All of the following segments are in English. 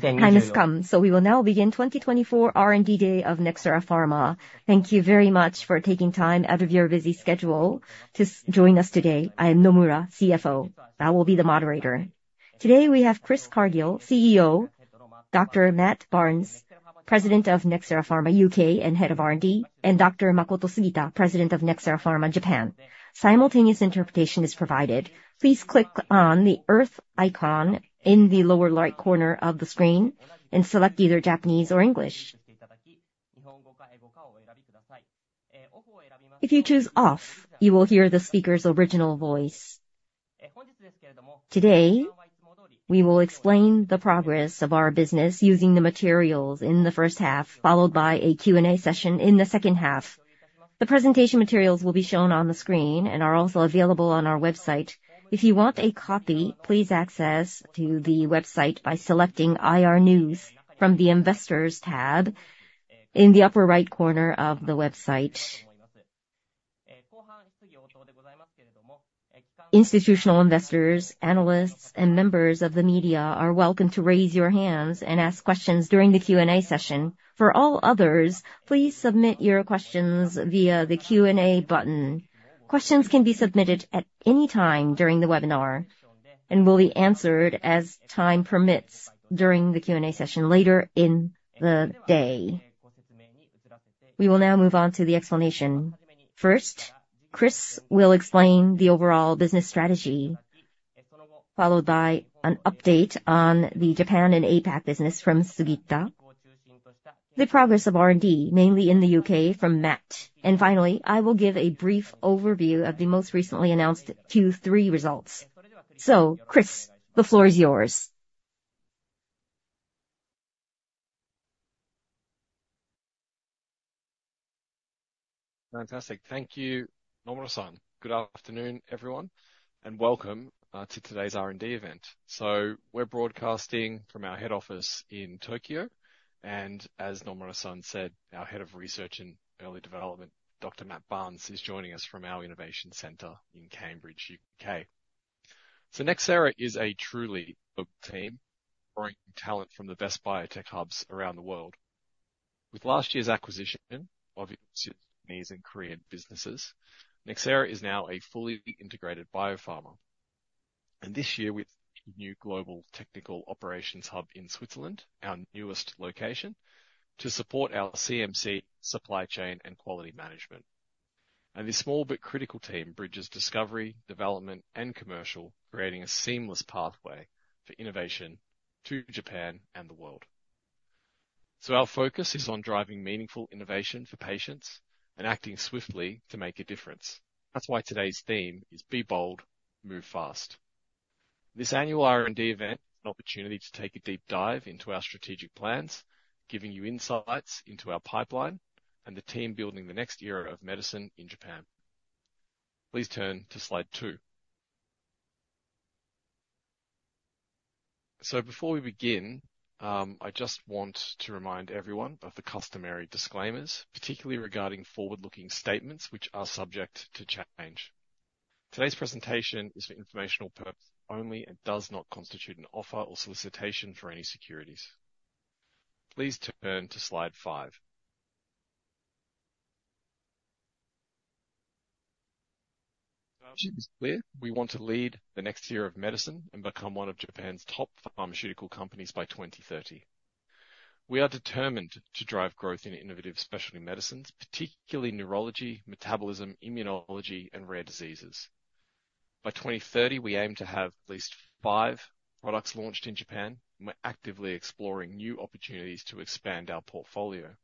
Time has come, so we will now begin 2024 R&D Day of Nxera Pharma. Thank you very much for taking time out of your busy schedule to join us today. I am Nomura, CFO. I will be the moderator. Today we have Chris Cargill, CEO, Dr. Matt Barnes, President of Nxera Pharma U.K. and Head of R&D, and Dr. Makoto Sugita, President of Nxera Pharma Japan. Simultaneous interpretation is provided. Please click on the Earth icon in the lower right corner of the screen and select either Japanese or English. If you choose Off, you will hear the speaker's original voice. Today, we will explain the progress of our business using the materials in the first half, followed by a Q&A session in the second half. The presentation materials will be shown on the screen and are also available on our website. If you want a copy, please access the website by selecting IR News from the Investors tab in the upper right corner of the website. Institutional investors, analysts, and members of the media are welcome to raise your hands and ask questions during the Q&A session. For all others, please submit your questions via the Q&A button. Questions can be submitted at any time during the webinar and will be answered as time permits during the Q&A session later in the day. We will now move on to the explanation. First, Chris will explain the overall business strategy, followed by an update on the Japan and APAC business from Sugita, the progress of R&D mainly in the U.K. from Matt, and finally, I will give a brief overview of the most recently announced Q3 results. So Chris, the floor is yours. Fantastic. Thank you, Nomura-san. Good afternoon, everyone, and welcome to today's R&D event. So, we're broadcasting from our Head Office in Tokyo, and as Nomura-san said, our Head of Research and Early Development, Dr. Matt Barnes, is joining us from our Innovation Centre in Cambridge, U.K. So, Nxera is a truly a big team, drawing talent from the best biotech hubs around the world. With last year's acquisition of its Japanese and Korean businesses, Nxera is now a fully integrated biopharma. And this year, with a new global technical operations hub in Switzerland, our newest location, to support our CMC supply chain and quality management. And this small but critical team bridges discovery, development, and commercial, creating a seamless pathway for innovation to Japan and the world. So, our focus is on driving meaningful innovation for patients and acting swiftly to make a difference. That's why today's theme is Be Bold, Move Fast. This annual R&D event is an opportunity to take a deep dive into our strategic plans, giving you insights into our pipeline and the team building the next era of medicine in Japan. Please turn to slide two. So before we begin, I just want to remind everyone of the customary disclaimers, particularly regarding forward-looking statements, which are subject to change. Today's presentation is for informational purposes only and does not constitute an offer or solicitation for any securities. Please turn to slide five. We want to lead the next era of medicine and become one of Japan's top pharmaceutical companies by 2030. We are determined to drive growth in innovative specialty medicines, particularly neurology, metabolism, immunology, and rare diseases. By 2030, we aim to have at least five products launched in Japan, and we're actively exploring new opportunities to expand our portfolio.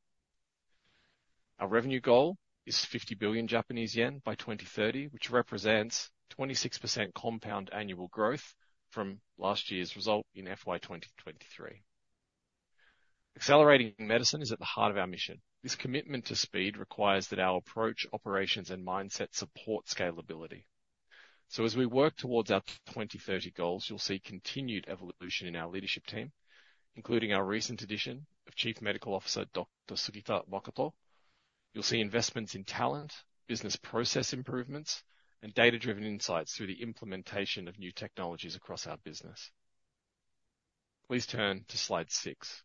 Our revenue goal is 50 billion Japanese yen by 2030, which represents 26% compound annual growth from last year's result in FY 2023. Accelerating medicine is at the heart of our mission. This commitment to speed requires that our approach, operations, and mindset support scalability. So, as we work towards our 2030 goals, you'll see continued evolution in our leadership team, including our recent addition of Chief Medical Officer Dr. Sugita Makoto. You'll see investments in talent, business process improvements, and data-driven insights through the implementation of new technologies across our business. Please turn to slide six.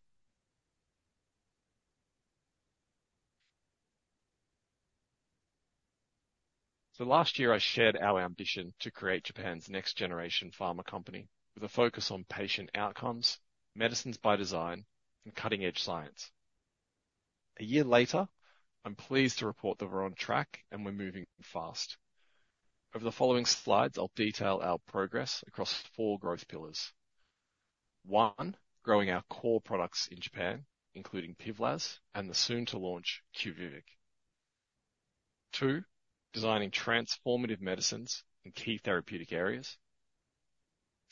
So last year, I shared our ambition to create Japan's next-generation pharma company with a focus on patient outcomes, medicines by design, and cutting-edge science. A year later, I'm pleased to report that we're on track and we're moving fast. Over the following slides, I'll detail our progress across four growth pillars. One, growing our core products in Japan, including PIVLAZ and the soon-to-launch QUVIVIQ. Two, designing transformative medicines in key therapeutic areas.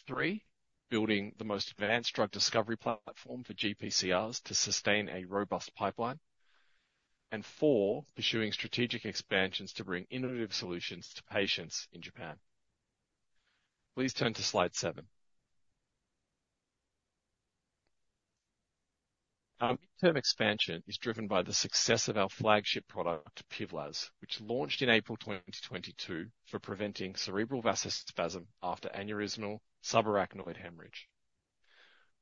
Three, building the most advanced drug discovery platform for GPCRs to sustain a robust pipeline. And four, pursuing strategic expansions to bring innovative solutions to patients in Japan. Please turn to slide seven. Our midterm expansion is driven by the success of our flagship product, PIVLAZ, which launched in April 2022 for preventing cerebral vasospasm after aneurysmal subarachnoid hemorrhage.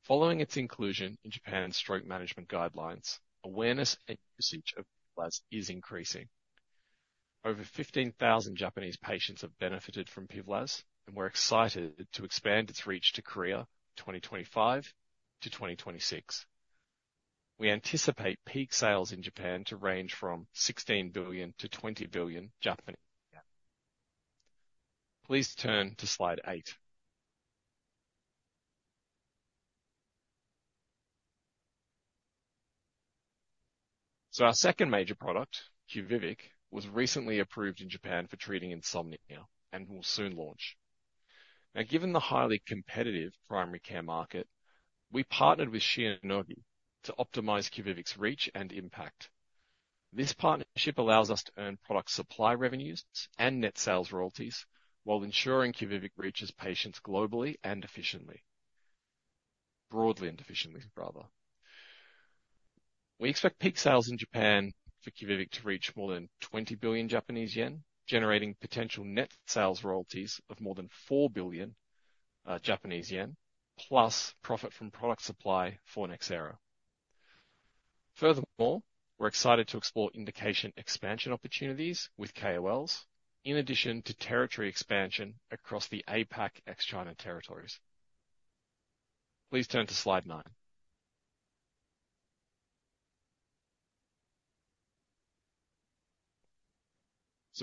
Following its inclusion in Japan's stroke management guidelines, awareness and usage of PIVLAZ is increasing. Over 15,000 Japanese patients have benefited from PIVLAZ, and we're excited to expand its reach to Korea from 2025 to 2026. We anticipate peak sales in Japan to range from 16 billion-20 billion. Please turn to slide eight. Our second major product, QUVIVIQ, was recently approved in Japan for treating insomnia and will soon launch. Now, given the highly competitive primary care market, we partnered with Shionogi to optimize QUVIVIQ's reach and impact. This partnership allows us to earn product supply revenues and net sales royalties while ensuring QUVIVIQ reaches patients globally and efficiently. Broadly and efficiently, rather. We expect peak sales in Japan for QUVIVIQ to reach more than 20 billion Japanese yen, generating potential net sales royalties of more than 4 billion Japanese yen, plus profit from product supply for Nxera. Furthermore, we're excited to explore indication expansion opportunities with KOLs, in addition to territory expansion across the APAC ex-China territories. Please turn to slide nine.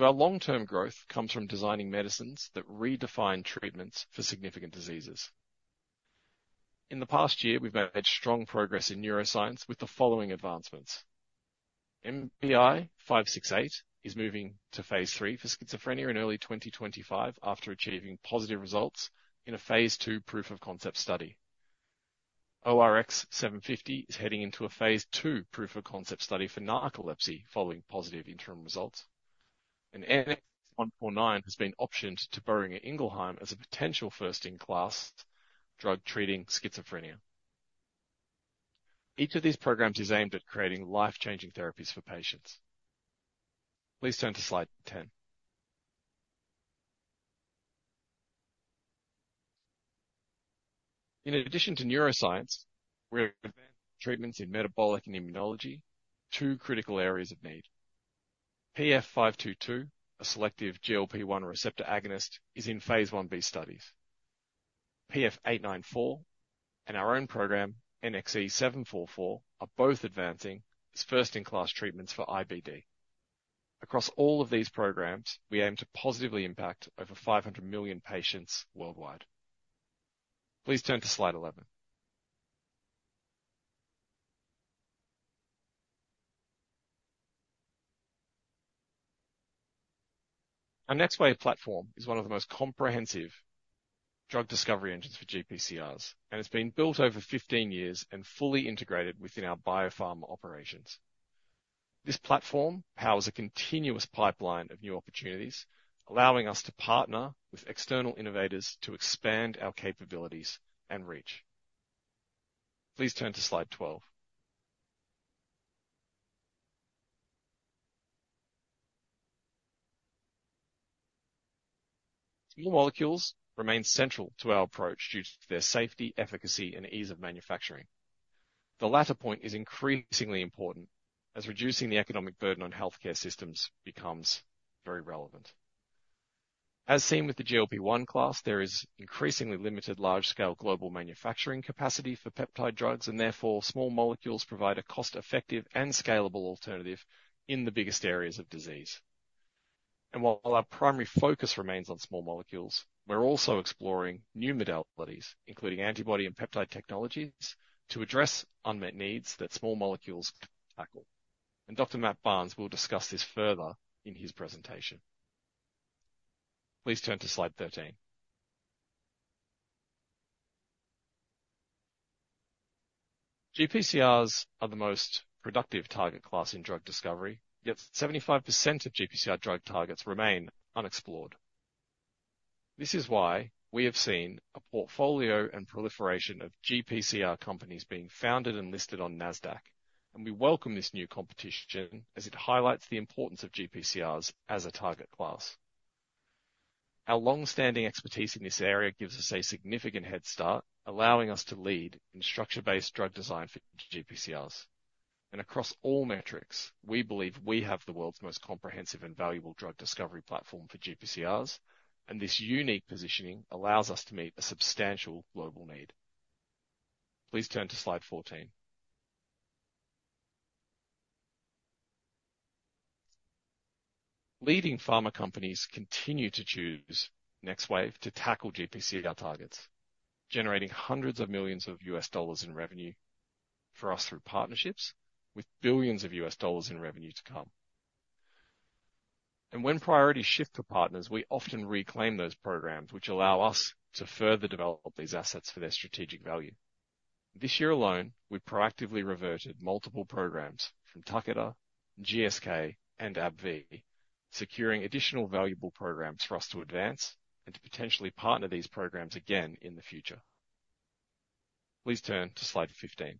Our long-term growth comes from designing medicines that redefine treatments for significant diseases. In the past year, we've made strong progress in neuroscience with the following advancements. NBI-568 is moving to phase III for schizophrenia in early 2025 after achieving positive results in a phase II proof of concept study. ORX750 is heading into a phase II proof of concept study for narcolepsy following positive interim results. And NXE'149 has been optioned to Boehringer Ingelheim as a potential first-in-class drug treating schizophrenia. Each of these programs is aimed at creating life-changing therapies for patients. Please turn to slide 10. In addition to neuroscience, we're advancing treatments in metabolic and immunology, two critical areas of need. PF'522, a selective GLP-1 receptor agonist, is in phase I-B studies. PF'894 and our own program, NXE-744, are both advancing as first-in-class treatments for IBD. Across all of these programs, we aim to positively impact over 500 million patients worldwide. Please turn to slide 11. Our NxWave platform is one of the most comprehensive drug discovery engines for GPCRs, and it's been built over 15 years and fully integrated within our biopharma operations. This platform powers a continuous pipeline of new opportunities, allowing us to partner with external innovators to expand our capabilities and reach. Please turn to slide 12. Molecules remain central to our approach due to their safety, efficacy, and ease of manufacturing. The latter point is increasingly important as reducing the economic burden on healthcare systems becomes very relevant. As seen with the GLP-1 class, there is increasingly limited large-scale global manufacturing capacity for peptide drugs, and therefore small molecules provide a cost-effective and scalable alternative in the biggest areas of disease. While our primary focus remains on small molecules, we're also exploring new modalities, including antibody and peptide technologies, to address unmet needs that small molecules tackle. Dr. Matt Barnes will discuss this further in his presentation. Please turn to slide 13. GPCRs are the most productive target class in drug discovery, yet 75% of GPCR drug targets remain unexplored. This is why we have seen a portfolio and proliferation of GPCR companies being founded and listed on NASDAQ, and we welcome this new competition as it highlights the importance of GPCRs as a target class. Our long-standing expertise in this area gives us a significant head start, allowing us to lead in structure-based drug design for GPCRs. Across all metrics, we believe we have the world's most comprehensive and valuable drug discovery platform for GPCRs, and this unique positioning allows us to meet a substantial global need. Please turn to slide 14. Leading pharma companies continue to choose NxWave to tackle GPCR targets, generating hundreds of millions of dollars in revenue for us through partnerships with billions of dollars in revenue to come, and when priorities shift for partners, we often reclaim those programs, which allow us to further develop these assets for their strategic value. This year alone, we proactively reverted multiple programs from Takeda, GSK, and AbbVie, securing additional valuable programs for us to advance and to potentially partner these programs again in the future. Please turn to slide 15.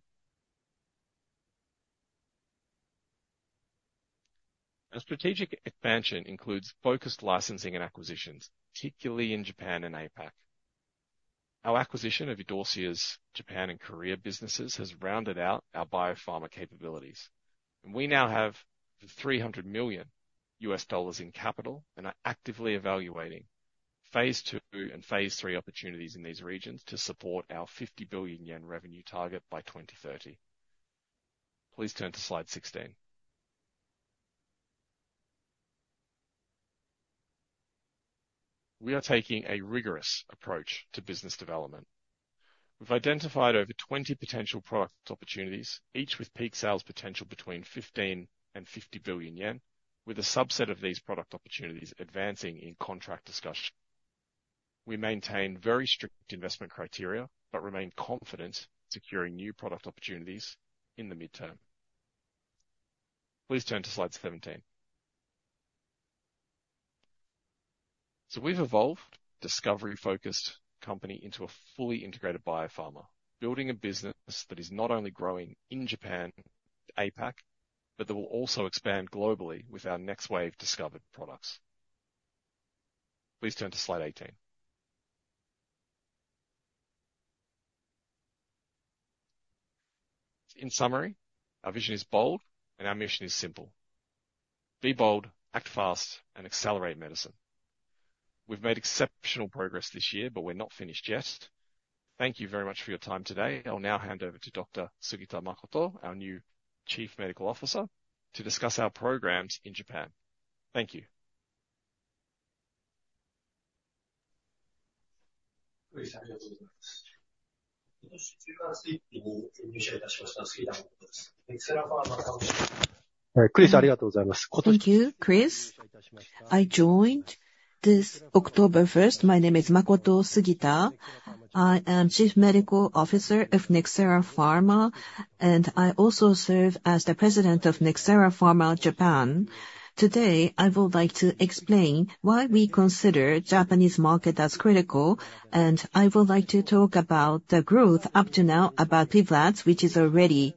Our strategic expansion includes focused licensing and acquisitions, particularly in Japan and APAC. Our acquisition of Idorsia's Japan and Korea businesses has rounded out our biopharma capabilities, and we now have $300 million in capital and are actively evaluating phase II and phase III opportunities in these regions to support our 50 billion yen revenue target by 2030. Please turn to slide 16. We are taking a rigorous approach to business development. We've identified over 20 potential product opportunities, each with peak sales potential between 15 billion and 50 billion yen, with a subset of these product opportunities advancing in contract discussion. We maintain very strict investment criteria but remain confident in securing new product opportunities in the midterm. Please turn to slide 17. We've evolved a discovery-focused company into a fully integrated biopharma, building a business that is not only growing in Japan and APAC, but that will also expand globally with our NxWave discovered products. Please turn to slide 18. In summary, our vision is bold, and our mission is simple. Be bold, act fast, and accelerate medicine. We've made exceptional progress this year, but we're not finished yet. Thank you very much for your time today. I'll now hand over to Dr. Sugita Makoto, our new Chief Medical Officer, to discuss our programs in Japan. Thank you. All right. Chris, a lot of thanks. Thank you, Chris. I joined this October 1st. My name is Makoto Sugita. I am Chief Medical Officer of Nxera Pharma, and I also serve as the President of Nxera Pharma Japan. Today, I would like to explain why we consider the Japanese market as critical, and I would like to talk about the growth up to now about PIVLAZ, which is already launched.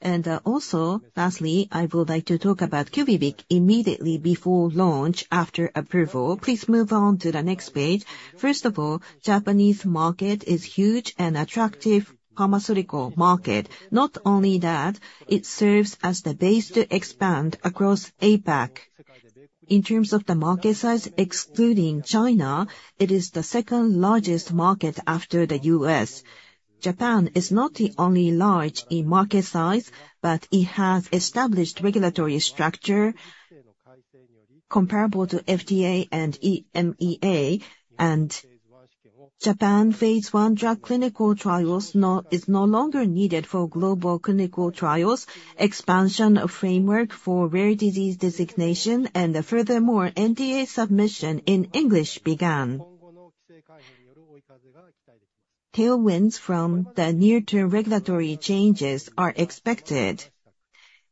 And also, lastly, I would like to talk about QUVIVIQ immediately before launch after approval. Please move on to the next page. First of all, the Japanese market is a huge and attractive pharmaceutical market. Not only that, it serves as the base to expand across APAC. In terms of the market size, excluding China, it is the second largest market after the U.S. Japan is not the only large in market size, but it has established regulatory structure comparable to FDA and EMEA, and Japan's phase I drug clinical trials are no longer needed for global clinical trials. Expansion framework for rare disease designation, and furthermore, NDA submission in English began. Tailwinds from the near-term regulatory changes are expected.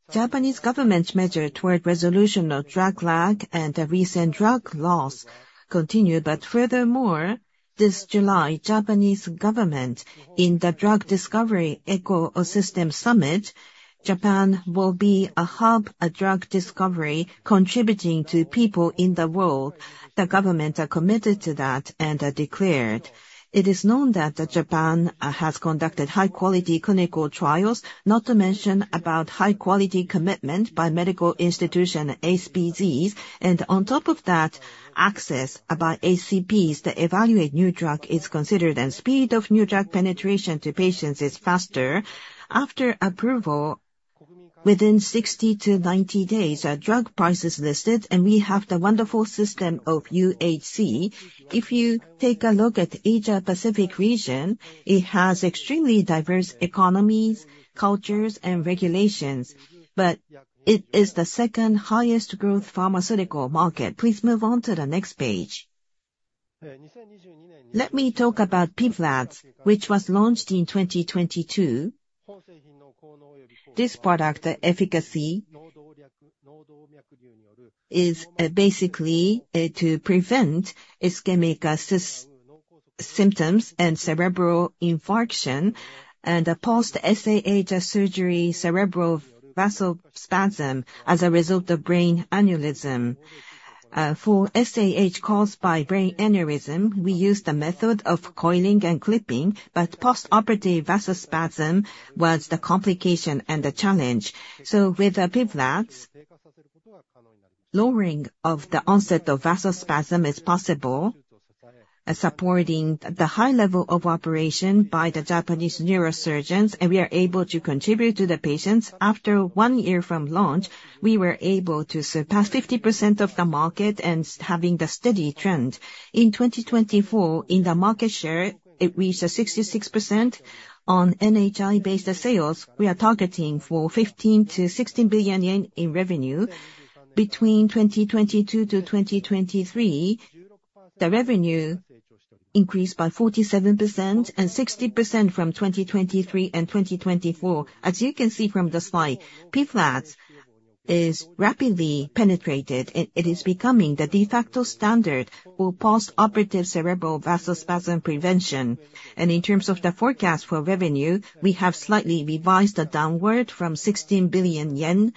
Japanese government's measure toward resolution of drug lag and the recent drug laws continue, but furthermore, this July, the Japanese government, in the Drug Discovery Ecosystem Summit, said Japan will be a hub of drug discovery, contributing to people in the world. The government is committed to that and declared. It is known that Japan has conducted high-quality clinical trials, not to mention about high-quality commitment by medical institutions, ACPs, and on top of that, access by ACPs to evaluate new drugs is considered, and the speed of new drug penetration to patients is faster. After approval, within 60-90 days, a drug price is listed, and we have the wonderful system of UHC. If you take a look at the Asia-Pacific region, it has extremely diverse economies, cultures, and regulations, but it is the second highest-growth pharmaceutical market. Please move on to the next page. Let me talk about PIVLAZ, which was launched in 2022. This product's efficacy is basically to prevent ischemic symptoms and cerebral infarction and post-aSAH surgery cerebral vasospasm as a result of brain aneurysm. For aSAH caused by brain aneurysm, we used the method of coiling and clipping, but post-operative vasospasm was the complication and the challenge, so with PIVLAZ, lowering of the onset of vasospasm is possible, supporting the high level of operation by the Japanese neurosurgeons, and we are able to contribute to the patients. After one year from launch, we were able to surpass 50% of the market and have a steady trend. In 2024, in the market share, it reached 66%. On NHI-based sales, we are targeting for 15-16 billion yen in revenue. Between 2022 to 2023, the revenue increased by 47% and 60% from 2023 and 2024. As you can see from the slide, PIVLAZ is rapidly penetrated, and it is becoming the de facto standard for post-operative cerebral vasospasm prevention. In terms of the forecast for revenue, we have slightly revised it downward from 16 billion yen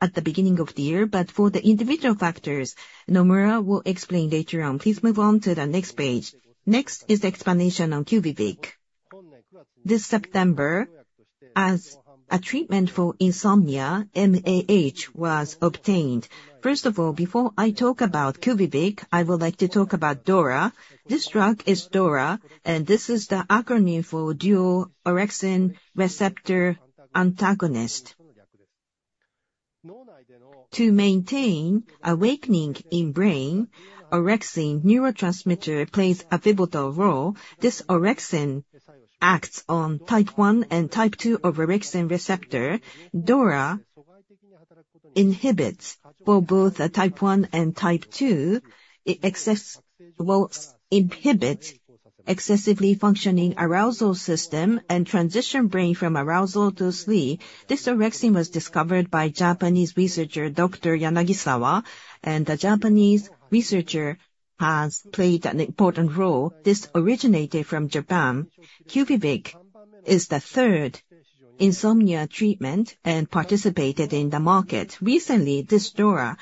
at the beginning of the year, but for the individual factors, Nomura will explain later on. Please move on to the next page. Next is the explanation on QUVIVIQ. This September, as a treatment for insomnia, MAH was obtained. First of all, before I talk about QUVIVIQ, I would like to talk about DORA. This drug is DORA, and this is the acronym for dual orexin receptor antagonist. To maintain awakening in the brain, orexin neurotransmitter plays a pivotal role. This orexin acts on type 1 and type 2 of orexin receptor. DORA inhibits both type 1 and type 2. It excessively inhibits excessively functioning arousal system and transitions the brain from arousal to sleep. This orexin was discovered by Japanese researcher Dr. Yanagisawa, and the Japanese researcher has played an important role. This originated from Japan. QUVIVIQ is the third insomnia treatment and participated in the market. Recently, this DORA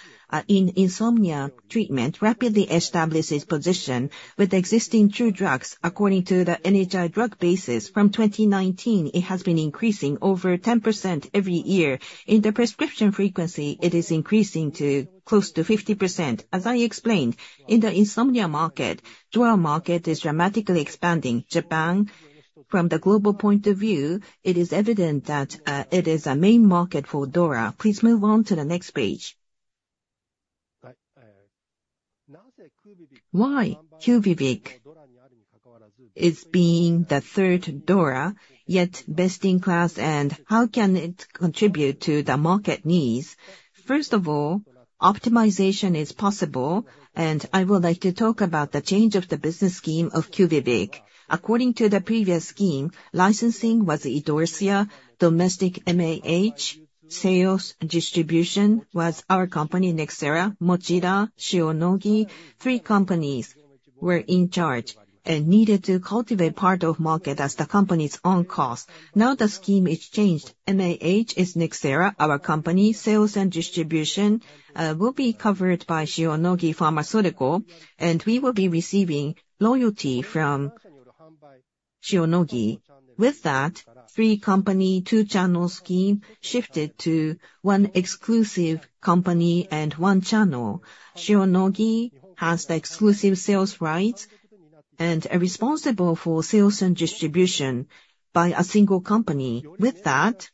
in insomnia treatment rapidly established its position with existing DORA drugs. According to the NHI drug basis from 2019, it has been increasing over 10% every year. In the prescription frequency, it is increasing to close to 50%. As I explained, in the insomnia market, the DORA market is dramatically expanding. Japan, from the global point of view, it is evident that it is a main market for DORA. Please move on to the next page. Why QUVIVIQ is being the third DORA, yet best in class, and how can it contribute to the market needs? First of all, optimization is possible, and I would like to talk about the change of the business scheme of QUVIVIQ. According to the previous scheme, licensing was Idorsia, domestic MAH, sales and distribution was our company, Nxera, Mochida, Shionogi. Three companies were in charge and needed to cultivate part of the market as the company's own cost. Now the scheme is changed. MAH is Nxera, our company. Sales and distribution will be covered by Shionogi Pharmaceutical, and we will be receiving royalty from Shionogi. With that, three companies' two-channel scheme shifted to one exclusive company and one channel. Shionogi has the exclusive sales rights and is responsible for sales and distribution by a single company. With that,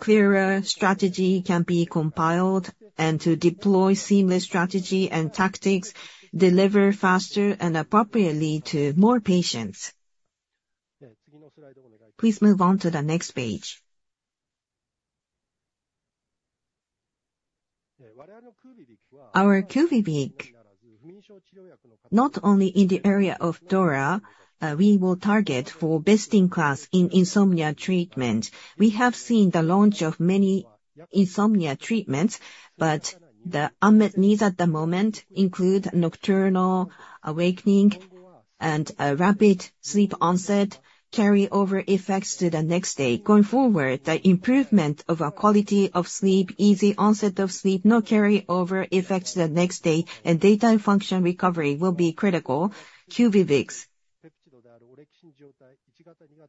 clearer strategy can be compiled and to deploy seamless strategy and tactics, deliver faster and appropriately to more patients. Please move on to the next page. Our QUVIVIQ, not only in the area of DORA, we will target for best-in-class in insomnia treatment. We have seen the launch of many insomnia treatments, but the unmet needs at the moment include nocturnal awakening and rapid sleep onset carry-over effects to the next day. Going forward, the improvement of quality of sleep, easy onset of sleep, no carry-over effects to the next day, and daytime function recovery will be critical. QUVIVIQ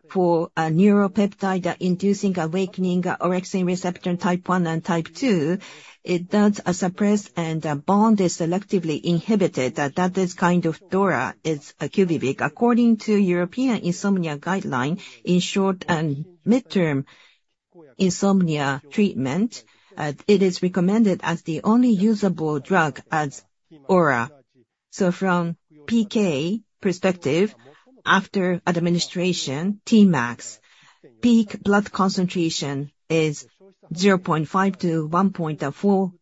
for a neuropeptide-inducing awakening orexin receptor type 1 and type 2, it does suppress and bond is selectively inhibited. That is kind of DORA is QUVIVIQ. According to European insomnia guidelines, in short- and mid-term insomnia treatment, it is recommended as the only usable drug as ORA. So, from PK perspective, after administration, Tmax, peak blood concentration is 0.5-1.4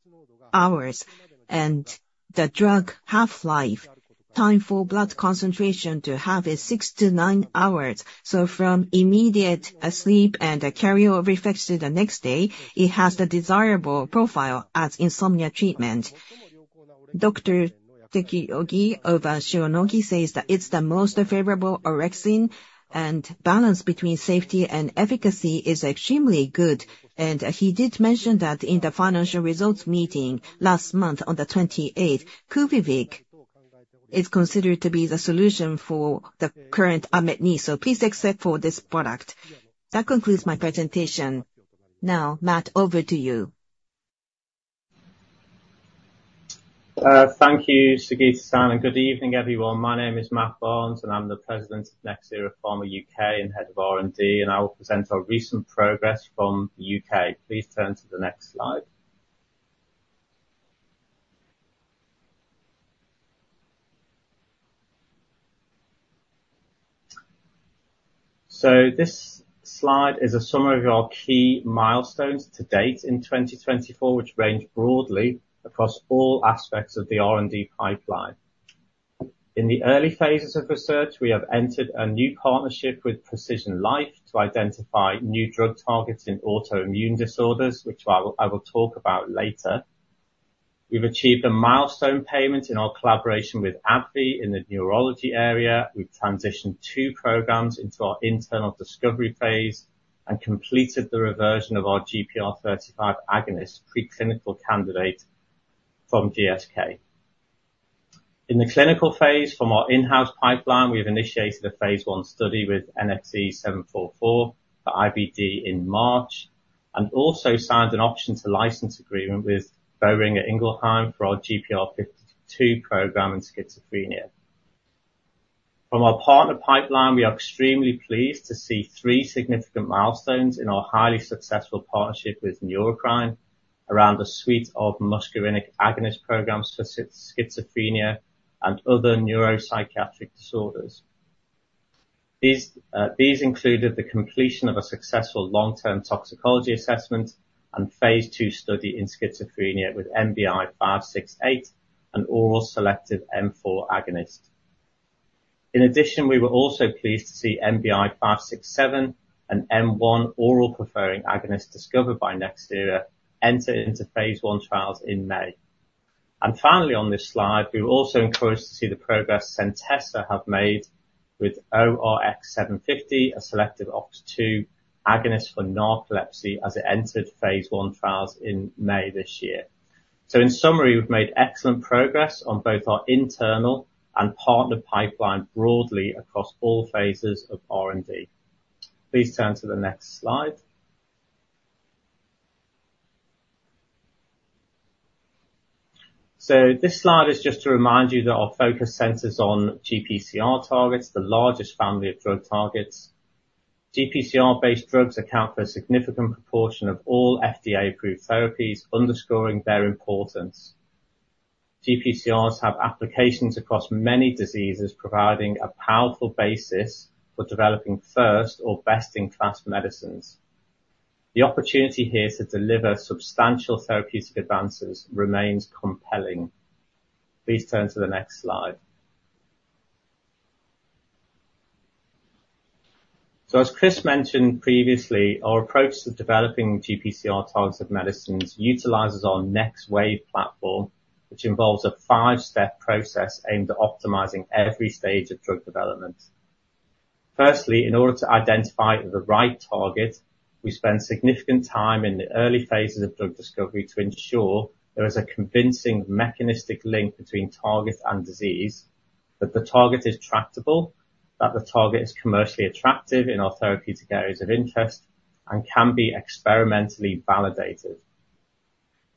hours, and the drug half-life time for blood concentration to have is 6-9 hours. From immediate sleep and carry-over effects to the next day, it has the desirable profile as insomnia treatment. Dr. Teshirogi of Shionogi says that it's the most favorable orexin, and balance between safety and efficacy is extremely good. And he did mention that in the financial results meeting last month on the 28th, QUVIVIQ is considered to be the solution for the current unmet needs. So please accept for this product. That concludes my presentation. Now, Matt, over to you. Thank you, Sugita-san. And good evening, everyone. My name is Matt Barnes, and I'm the President of Nxera Pharma U.K. and Head of R&D, and I will present our recent progress from the U.K. Please turn to the next slide. So, this slide is a summary of our key milestones to date in 2024, which range broadly across all aspects of the R&D pipeline. In the early phases of research, we have entered a new partnership with PrecisionLife to identify new drug targets in autoimmune disorders, which I will talk about later. We've achieved a milestone payment in our collaboration with AbbVie in the neurology area. We've transitioned two programs into our internal discovery phase and completed the reversion of our GPR35 agonist preclinical candidate from GSK. In the clinical phase from our in-house pipeline, we've initiated a phase I study with NXE-744 for IBD in March and also signed an option to license agreement with Boehringer Ingelheim for our GPR52 program in schizophrenia. From our partner pipeline, we are extremely pleased to see three significant milestones in our highly successful partnership with Neurocrine around a suite of muscarinic agonist programs for schizophrenia and other neuropsychiatric disorders. These included the completion of a successful long-term toxicology assessment and phase II study in schizophrenia with NBI-568, an oral selective M4 agonist. In addition, we were also pleased to see NBI-567, an M1 oral preferring agonist discovered by Nxera, enter into phase I trials in May. And finally, on this slide, we were also encouraged to see the progress Centessa have made with ORX750, a selective OX2 agonist for narcolepsy, as it entered phase I trials in May this year. So, in summary, we've made excellent progress on both our internal and partner pipeline broadly across all phases of R&D. Please turn to the next slide. So, this slide is just to remind you that our focus centers on GPCR targets, the largest family of drug targets. GPCR-based drugs account for a significant proportion of all FDA-approved therapies, underscoring their importance. GPCRs have applications across many diseases, providing a powerful basis for developing first or best-in-class medicines. The opportunity here to deliver substantial therapeutic advances remains compelling. Please turn to the next slide. So as Chris mentioned previously, our approach to developing GPCR-targeted medicines utilizes our NxWave platform, which involves a five-step process aimed at optimizing every stage of drug development. Firstly, in order to identify the right target, we spend significant time in the early phases of drug discovery to ensure there is a convincing mechanistic link between target and disease, that the target is tractable, that the target is commercially attractive in our therapeutic areas of interest, and can be experimentally validated.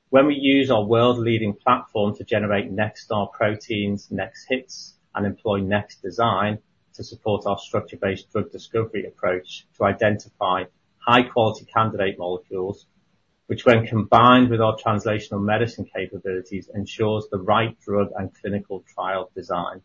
When we use our world-leading platform to generate NxStaR proteins, NxHits, and employ NxDesign to support our structure-based drug discovery approach to identify high-quality candidate molecules, which when combined with our translational medicine capabilities ensures the right drug and clinical trial design.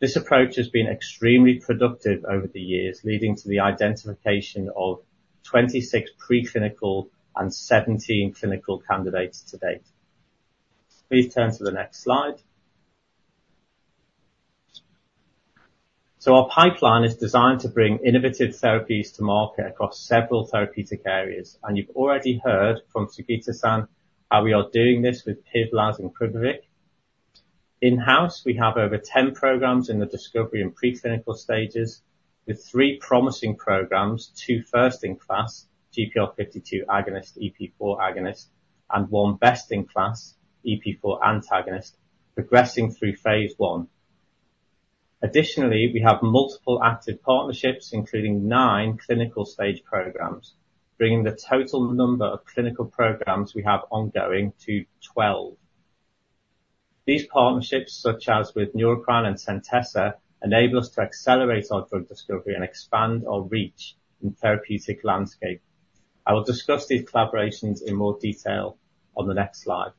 This approach has been extremely productive over the years, leading to the identification of 26 preclinical and 17 clinical candidates to date. Please turn to the next slide. Our pipeline is designed to bring innovative therapies to market across several therapeutic areas, and you've already heard from Sugita-san how we are doing this with PIVLAZ and QUVIVIQ. In-house, we have over 10 programs in the discovery and preclinical stages, with three promising programs, two first-in-class GPR52 agonist, EP4 agonist, and one best-in-class EP4 antagonist progressing through phase I. Additionally, we have multiple active partnerships, including nine clinical stage programs, bringing the total number of clinical programs we have ongoing to 12. These partnerships, such as with Neurocrine and Centessa, enable us to accelerate our drug discovery and expand our reach in the therapeutic landscape. I will discuss these collaborations in more detail on the next slide.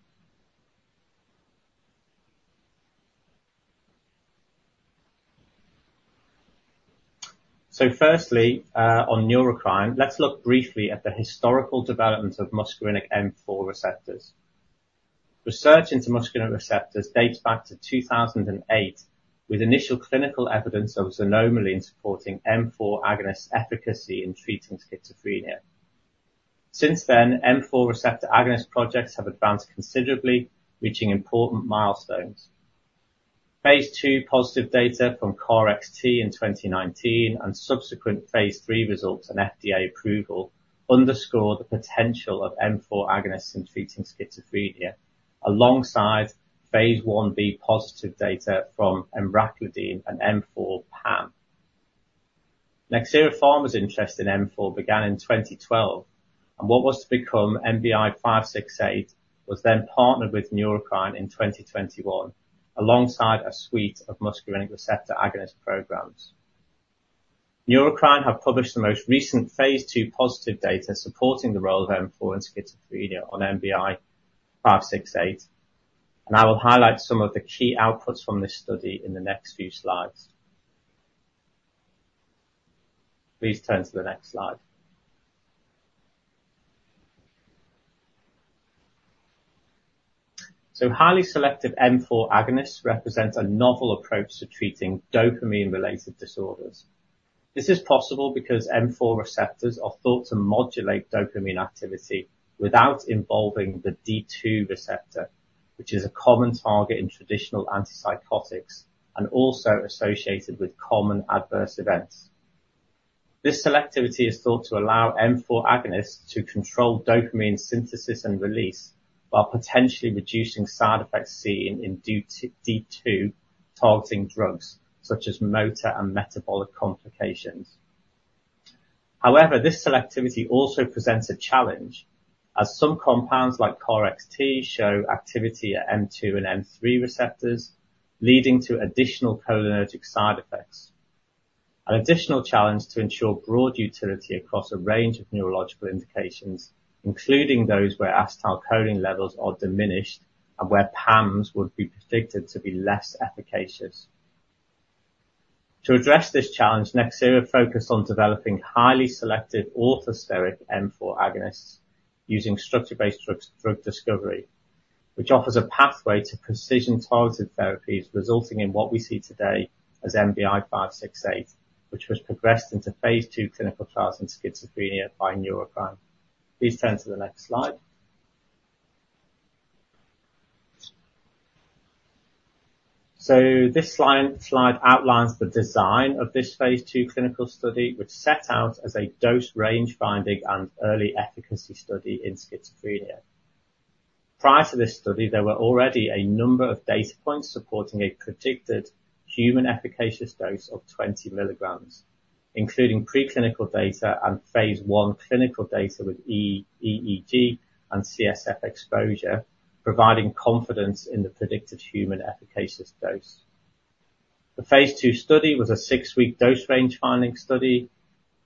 So firstly, on Neurocrine, let's look briefly at the historical development of muscarinic M4 receptors. Research into muscarinic receptors dates back to 2008, with initial clinical evidence of xanomeline supporting M4 agonist efficacy in treating schizophrenia. Since then, M4 receptor agonist projects have advanced considerably, reaching important milestones. Phase two positive data from KarXT in 2019 and subsequent phase III results and FDA approval underscore the potential of M4 agonists in treating schizophrenia, alongside phase I-B positive data from Emraclidine and M4 PAM. Nxera Pharma's interest in M4 began in 2012, and what was to become NBI-568 was then partnered with Neurocrine in 2021, alongside a suite of muscarinic receptor agonist programs. Neurocrine has published the most recent phase II positive data supporting the role of M4 in schizophrenia on NBI-568, and I will highlight some of the key outputs from this study in the next few slides. Please turn to the next slide. So highly selective M4 agonists represent a novel approach to treating dopamine-related disorders. This is possible because M4 receptors are thought to modulate dopamine activity without involving the D2 receptor, which is a common target in traditional antipsychotics and also associated with common adverse events. This selectivity is thought to allow M4 agonists to control dopamine synthesis and release while potentially reducing side effects seen in D2 targeting drugs such as motor and metabolic complications. However, this selectivity also presents a challenge as some compounds like KarXT show activity at M2 and M3 receptors, leading to additional cholinergic side effects. An additional challenge is to ensure broad utility across a range of neurological indications, including those where acetylcholine levels are diminished and where PAMs would be predicted to be less efficacious. To address this challenge, Nxera focused on developing highly selective orthosteric M4 agonists using structure-based drug discovery, which offers a pathway to precision targeted therapies, resulting in what we see today as NBI-568, which was progressed into phase II clinical trials in schizophrenia by Neurocrine. Please turn to the next slide. So this slide outlines the design of this phase II clinical study, which set out as a dose range finding and early efficacy study in schizophrenia. Prior to this study, there were already a number of data points supporting a predicted human efficacious dose of 20 milligrams, including preclinical data and phase I clinical data with EEG and CSF exposure, providing confidence in the predicted human efficacious dose. The phase II study was a six-week dose range finding study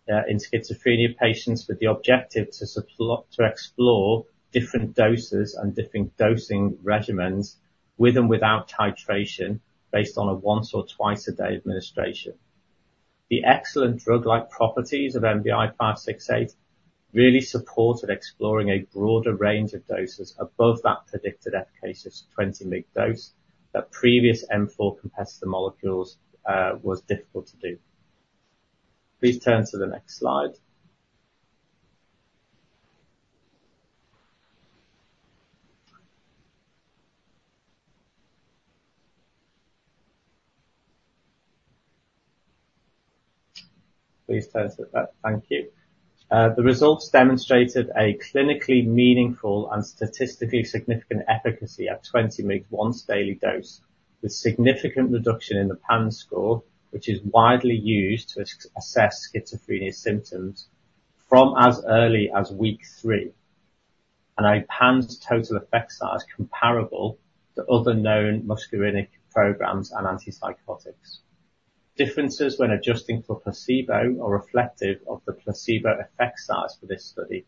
in schizophrenia patients with the objective to explore different doses and different dosing regimens with and without titration based on a once or twice-a-day administration. The excellent drug-like properties of NBI-568 really supported exploring a broader range of doses above that predicted efficacious 20 milligram dose that previous M4 competitor molecules was difficult to do. Please turn to the next slide. Please turn to that. Thank you. The results demonstrated a clinically meaningful and statistically significant efficacy at 20 milligram once daily dose with significant reduction in the PANSS score, which is widely used to assess schizophrenia symptoms from as early as week three, and a PANSS total effect size comparable to other known muscarinic programs and antipsychotics. Differences when adjusting for placebo are reflective of the placebo effect size for this study,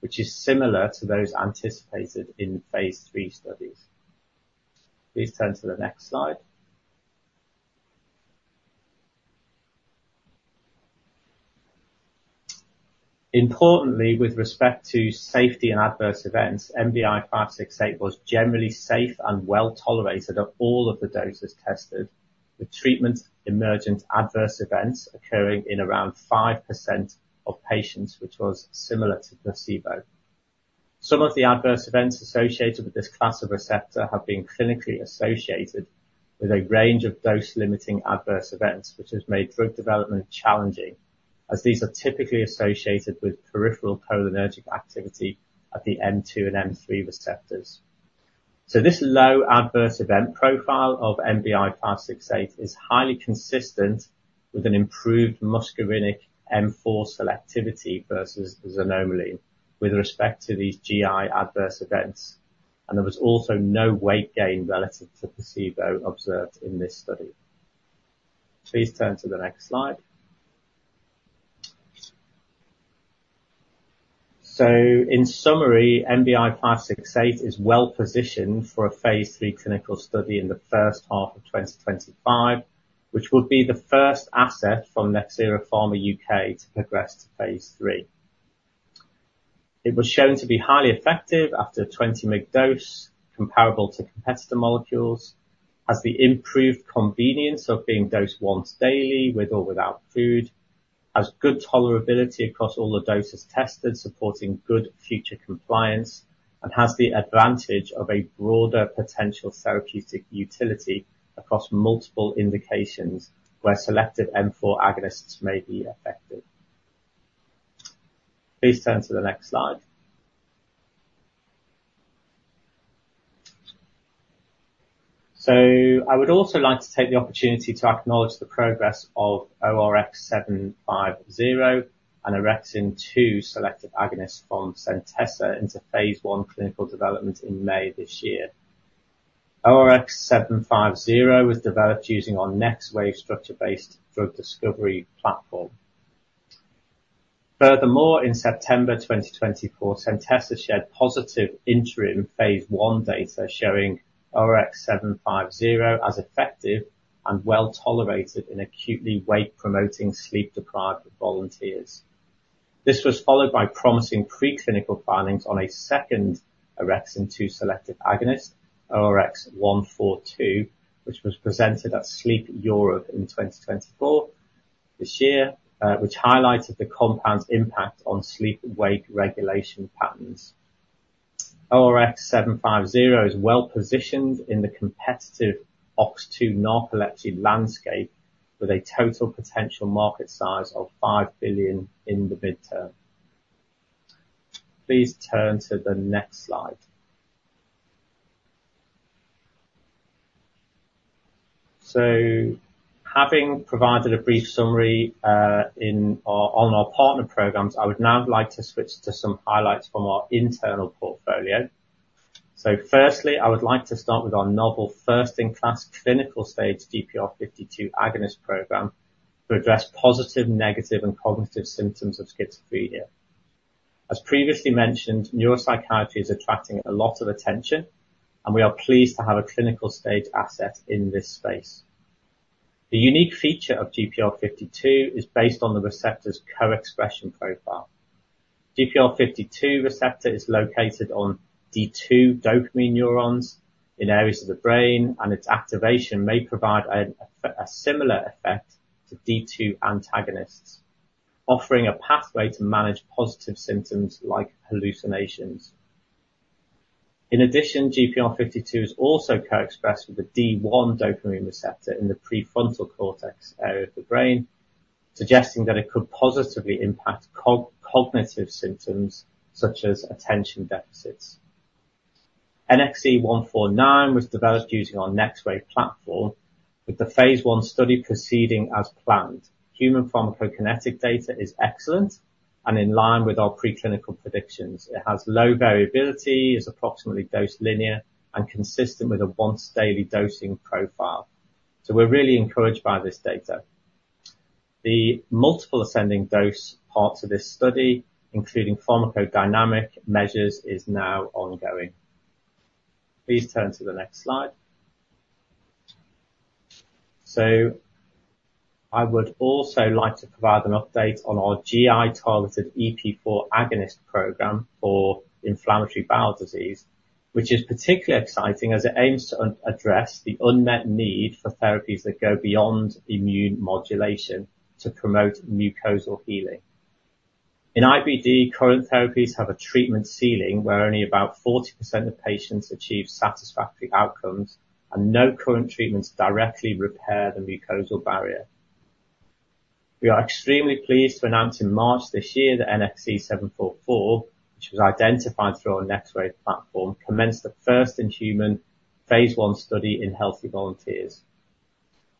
which is similar to those anticipated in phase III studies. Please turn to the next slide. Importantly, with respect to safety and adverse events, NBI-568 was generally safe and well tolerated at all of the doses tested, with treatment emergent adverse events occurring in around 5% of patients, which was similar to placebo. Some of the adverse events associated with this class of receptor have been clinically associated with a range of dose-limiting adverse events, which has made drug development challenging as these are typically associated with peripheral cholinergic activity at the M2 and M3 receptors. So this low adverse event profile of NBI-568 is highly consistent with an improved muscarinic M4 selectivity versus xanomeline with respect to these GI adverse events, and there was also no weight gain relative to placebo observed in this study. Please turn to the next slide. So in summary, NBI-568 is well positioned for a phase III clinical study in the first half of 2025, which would be the first asset from Nxera Pharma U.K. to progress to phase III. It was shown to be highly effective after a 20-milligram dose comparable to competitor molecules, has the improved convenience of being dosed once daily with or without food, has good tolerability across all the doses tested, supporting good future compliance, and has the advantage of a broader potential therapeutic utility across multiple indications where selective M4 agonists may be effective. Please turn to the next slide. I would also like to take the opportunity to acknowledge the progress of ORX750 and orexin-2 selective agonists from Centessa into phase I clinical development in May this year. ORX750 was developed using our NxWave structure-based drug discovery platform. Furthermore, in September 2024, Centessa shared positive interim phase I data showing ORX750 as effective and well tolerated in acutely wake-promoting sleep-deprived volunteers. This was followed by promising preclinical findings on a second orexin 2 selective agonist, ORX142, which was presented at Sleep Europe in 2024 this year, which highlighted the compound's impact on sleep/wake regulation patterns. ORX750 is well positioned in the competitive OX2 narcolepsy landscape with a total potential market size of $5 billion in the medium term. Please turn to the next slide. Having provided a brief summary on our partner programs, I would now like to switch to some highlights from our internal portfolio. Firstly, I would like to start with our novel first-in-class clinical stage GPR52 agonist program to address positive, negative, and cognitive symptoms of schizophrenia. As previously mentioned, neuropsychiatry is attracting a lot of attention, and we are pleased to have a clinical stage asset in this space. The unique feature of GPR52 is based on the receptor's co-expression profile. GPR52 receptor is located on D2 dopamine neurons in areas of the brain, and its activation may provide a similar effect to D2 antagonists, offering a pathway to manage positive symptoms like hallucinations. In addition, GPR52 is also co-expressed with the D1 dopamine receptor in the prefrontal cortex area of the brain, suggesting that it could positively impact cognitive symptoms such as attention deficits. NXE'149 was developed using our NxWave platform, with the phase I study proceeding as planned. Human pharmacokinetic data is excellent and in line with our preclinical predictions. It has low variability, is approximately dose linear, and consistent with a once daily dosing profile. So we're really encouraged by this data. The multiple ascending dose parts of this study, including pharmacodynamic measures, are now ongoing. Please turn to the next slide. I would also like to provide an update on our GI targeted EP4 agonist program for inflammatory bowel disease, which is particularly exciting as it aims to address the unmet need for therapies that go beyond immune modulation to promote mucosal healing. In IBD, current therapies have a treatment ceiling where only about 40% of patients achieve satisfactory outcomes, and no current treatments directly repair the mucosal barrier. We are extremely pleased to announce in March this year that NXE-744, which was identified through our NxWave platform, commenced the first in-human phase I study in healthy volunteers.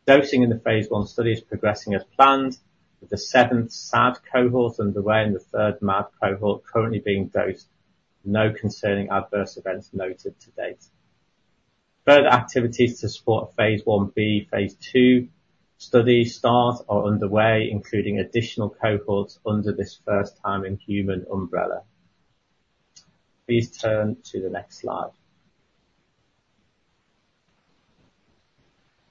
Dosing in the phase I study is progressing as planned, with the seventh SAD cohort underway and the third MAD cohort currently being dosed, with no concerning adverse events noted to date. Further activities to support phase Ib, phase II studies start are underway, including additional cohorts under this first-in-human umbrella. Please turn to the next slide.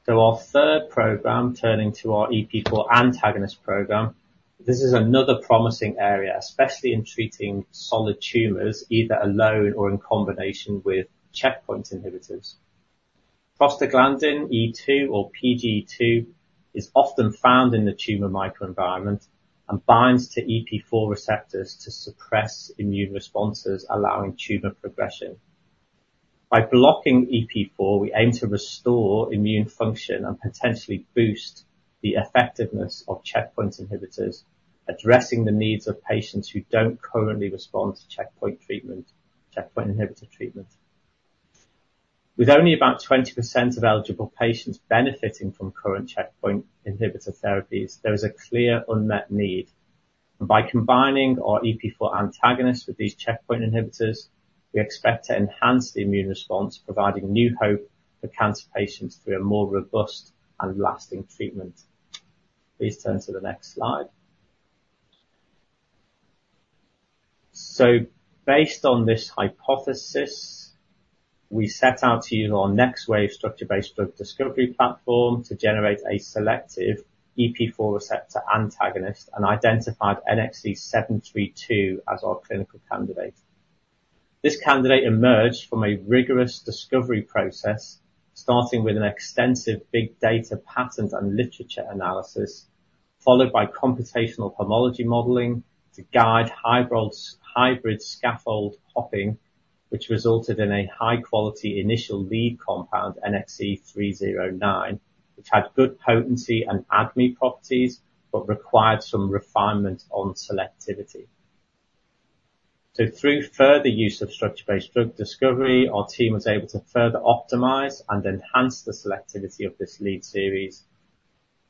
So our third program turning to our EP4 antagonist program, this is another promising area, especially in treating solid tumors, either alone or in combination with checkpoint inhibitors. Prostaglandin E2 or PGE2 is often found in the tumor microenvironment and binds to EP4 receptors to suppress immune responses, allowing tumor progression. By blocking EP4, we aim to restore immune function and potentially boost the effectiveness of checkpoint inhibitors, addressing the needs of patients who don't currently respond to checkpoint inhibitor treatment. With only about 20% of eligible patients benefiting from current checkpoint inhibitor therapies, there is a clear unmet need. By combining our EP4 antagonists with these checkpoint inhibitors, we expect to enhance the immune response, providing new hope for cancer patients through a more robust and lasting treatment. Please turn to the next slide. So based on this hypothesis, we set out to use our NxWave structure-based drug discovery platform to generate a selective EP4 receptor antagonist and identified NXE-732 as our clinical candidate. This candidate emerged from a rigorous discovery process, starting with an extensive big data pattern and literature analysis, followed by computational homology modeling to guide hybrid scaffold hopping, which resulted in a high-quality initial lead compound, NXE'309, which had good potency and ADME properties but required some refinement on selectivity. Through further use of structure-based drug discovery, our team was able to further optimize and enhance the selectivity of this lead series,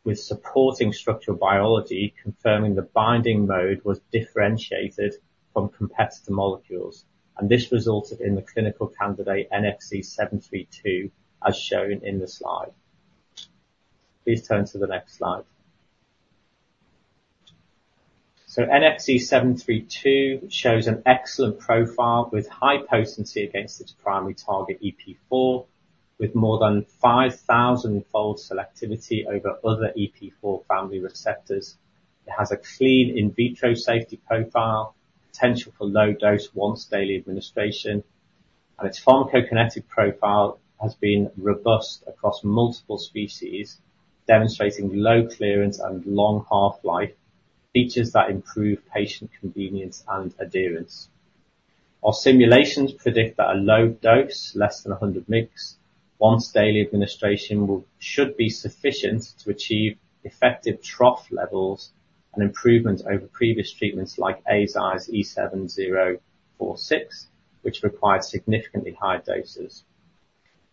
with supporting structural biology confirming the binding mode was differentiated from competitor molecules, and this resulted in the clinical candidate NXE-732, as shown in the slide. Please turn to the next slide. NXE-732 shows an excellent profile with high potency against its primary target EP4, with more than 5,000-fold selectivity over other EP4 family receptors. It has a clean in vitro safety profile, potential for low-dose once daily administration, and its pharmacokinetic profile has been robust across multiple species, demonstrating low clearance and long half-life, features that improve patient convenience and adherence. Our simulations predict that a low dose, less than 100 milligrams, once daily administration should be sufficient to achieve effective trough levels and improvement over previous treatments like Eisai's E7046, which required significantly higher doses.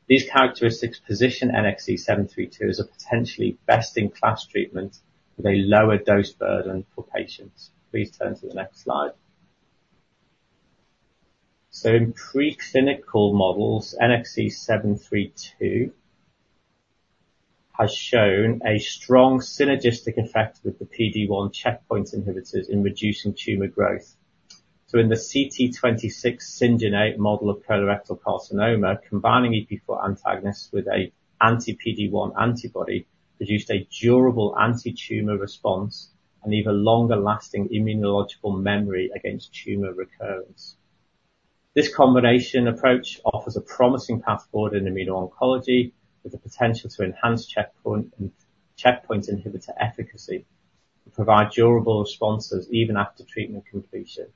These characteristics position NXE-732 as a potentially best-in-class treatment with a lower dose burden for patients. Please turn to the next slide. In preclinical models, NXE-732 has shown a strong synergistic effect with the PD-1 checkpoint inhibitors in reducing tumor growth. In the CT26 syngeneic model of colorectal carcinoma, combining EP4 antagonists with an anti-PD-1 antibody produced a durable anti-tumor response and even longer-lasting immunological memory against tumor recurrence. This combination approach offers a promising path forward in immuno-oncology with the potential to enhance checkpoint inhibitor efficacy and provide durable responses even after treatment completion.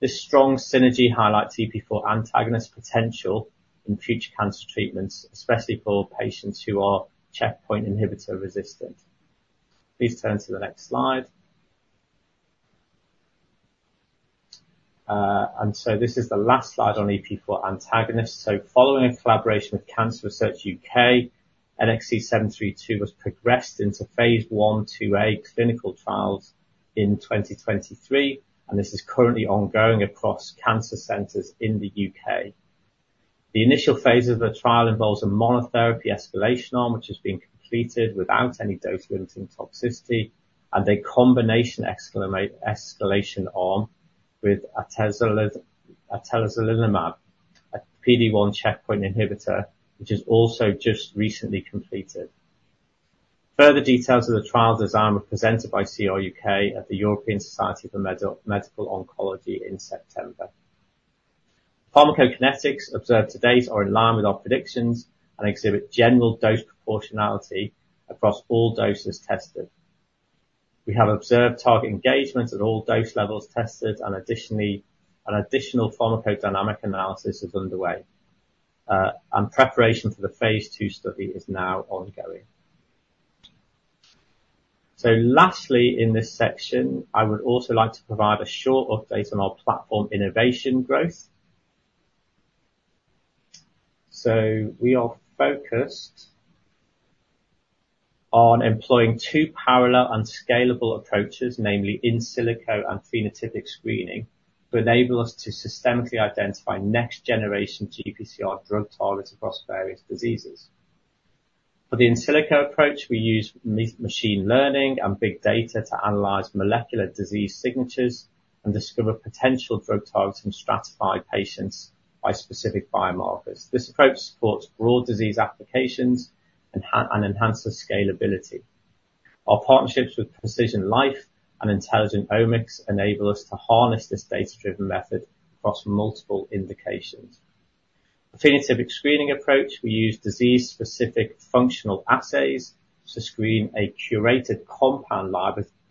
This strong synergy highlights EP4 antagonist potential in future cancer treatments, especially for patients who are checkpoint inhibitor resistant. Please turn to the next slide. And so this is the last slide on EP4 antagonists. So following a collaboration with Cancer Research U.K., NXE-732 was progressed into phase I/II-A clinical trials in 2023, and this is currently ongoing across cancer centers in the U.K. The initial phase of the trial involves a monotherapy escalation arm, which has been completed without any dose-limiting toxicity, and a combination escalation arm with atezolizumab, a PD-L1 checkpoint inhibitor, which is also just recently completed. Further details of the trial design were presented by CR U.K. at the European Society for Medical Oncology in September. Pharmacokinetics observed to date are in line with our predictions and exhibit general dose proportionality across all doses tested. We have observed target engagement at all dose levels tested, and additionally, an additional pharmacodynamic analysis is underway, and preparation for the phase II study is now ongoing. So lastly, in this section, I would also like to provide a short update on our platform innovation growth. So we are focused on employing two parallel and scalable approaches, namely in silico and phenotypic screening, to enable us to systematically identify next-generation GPCR drug targets across various diseases. For the in silico approach, we use machine learning and big data to analyze molecular disease signatures and discover potential drug targets in stratified patients by specific biomarkers. This approach supports broad disease applications and enhances scalability. Our partnerships with PrecisionLife and Intelligent Omics enable us to harness this data-driven method across multiple indications. For phenotypic screening approach, we use disease-specific functional assays to screen a curated compound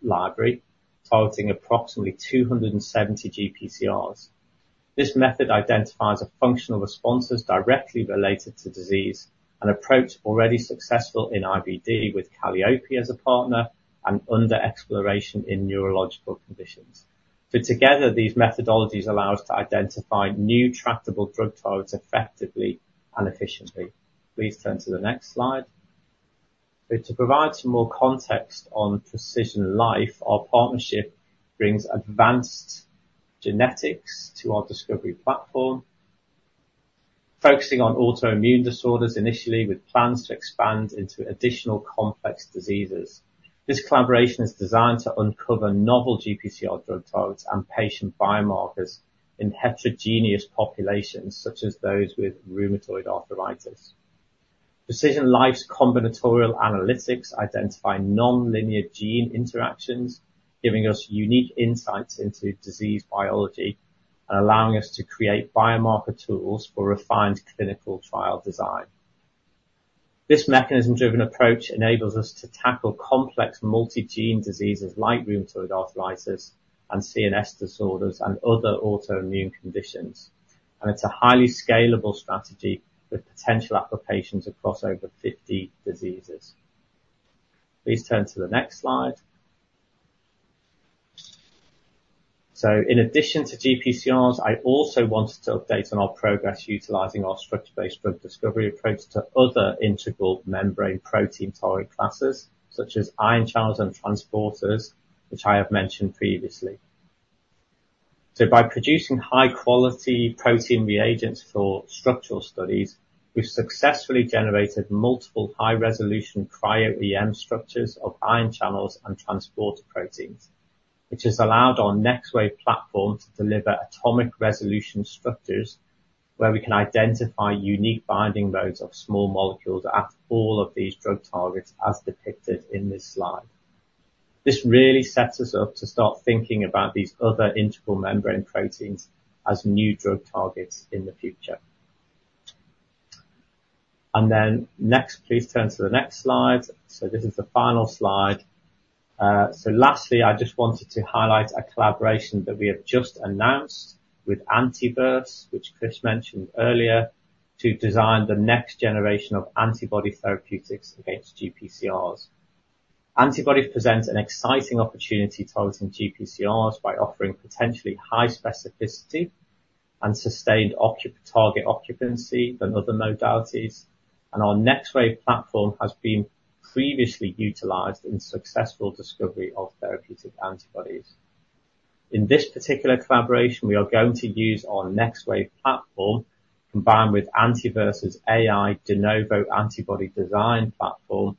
library targeting approximately 270 GPCRs. This method identifies functional responses directly related to disease, an approach already successful in IBD with Kallyope as a partner and under exploration in neurological conditions. So together, these methodologies allow us to identify new tractable drug targets effectively and efficiently. Please turn to the next slide. So to provide some more context on PrecisionLife, our partnership brings advanced genetics to our discovery platform, focusing on autoimmune disorders initially with plans to expand into additional complex diseases. This collaboration is designed to uncover novel GPCR drug targets and patient biomarkers in heterogeneous populations, such as those with rheumatoid arthritis. PrecisionLife's combinatorial analytics identify non-linear gene interactions, giving us unique insights into disease biology and allowing us to create biomarker tools for refined clinical trial design. This mechanism-driven approach enables us to tackle complex multi-gene diseases like rheumatoid arthritis and CNS disorders and other autoimmune conditions, and it's a highly scalable strategy with potential applications across over 50 diseases. Please turn to the next slide. So in addition to GPCRs, I also wanted to update on our progress utilizing our structure-based drug discovery approach to other integral membrane protein target classes, such as ion channels and transporters, which I have mentioned previously. So by producing high-quality protein reagents for structural studies, we've successfully generated multiple high-resolution Cryo-EM structures of ion channels and transporter proteins, which has allowed our NxWave platform to deliver atomic resolution structures where we can identify unique binding modes of small molecules at all of these drug targets as depicted in this slide. This really sets us up to start thinking about these other integral membrane proteins as new drug targets in the future. And then next, please turn to the next slide. So this is the final slide. So lastly, I just wanted to highlight a collaboration that we have just announced with Antiverse, which Chris mentioned earlier, to design the next generation of antibody therapeutics against GPCRs. Antibodies present an exciting opportunity targeting GPCRs by offering potentially high specificity and sustained target occupancy than other modalities, and our NxWave platform has been previously utilized in successful discovery of therapeutic antibodies. In this particular collaboration, we are going to use our NxWave platform combined with Antiverse's AI de novo Antibody Design Platform,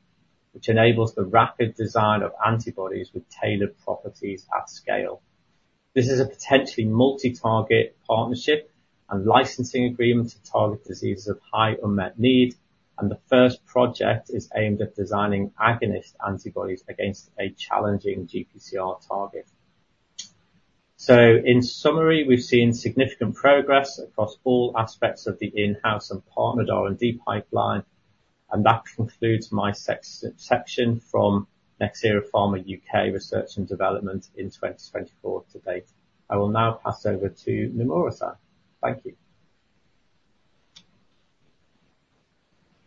which enables the rapid design of antibodies with tailored properties at scale. This is a potentially multi-target partnership and licensing agreement to target diseases of high unmet need, and the first project is aimed at designing agonist antibodies against a challenging GPCR target, so in summary, we've seen significant progress across all aspects of the in-house and partnered R&D pipeline, and that concludes my section from Nxera Pharma U.K. Research and Development in 2024 to date. I will now pass over to Nomura-san. Thank you.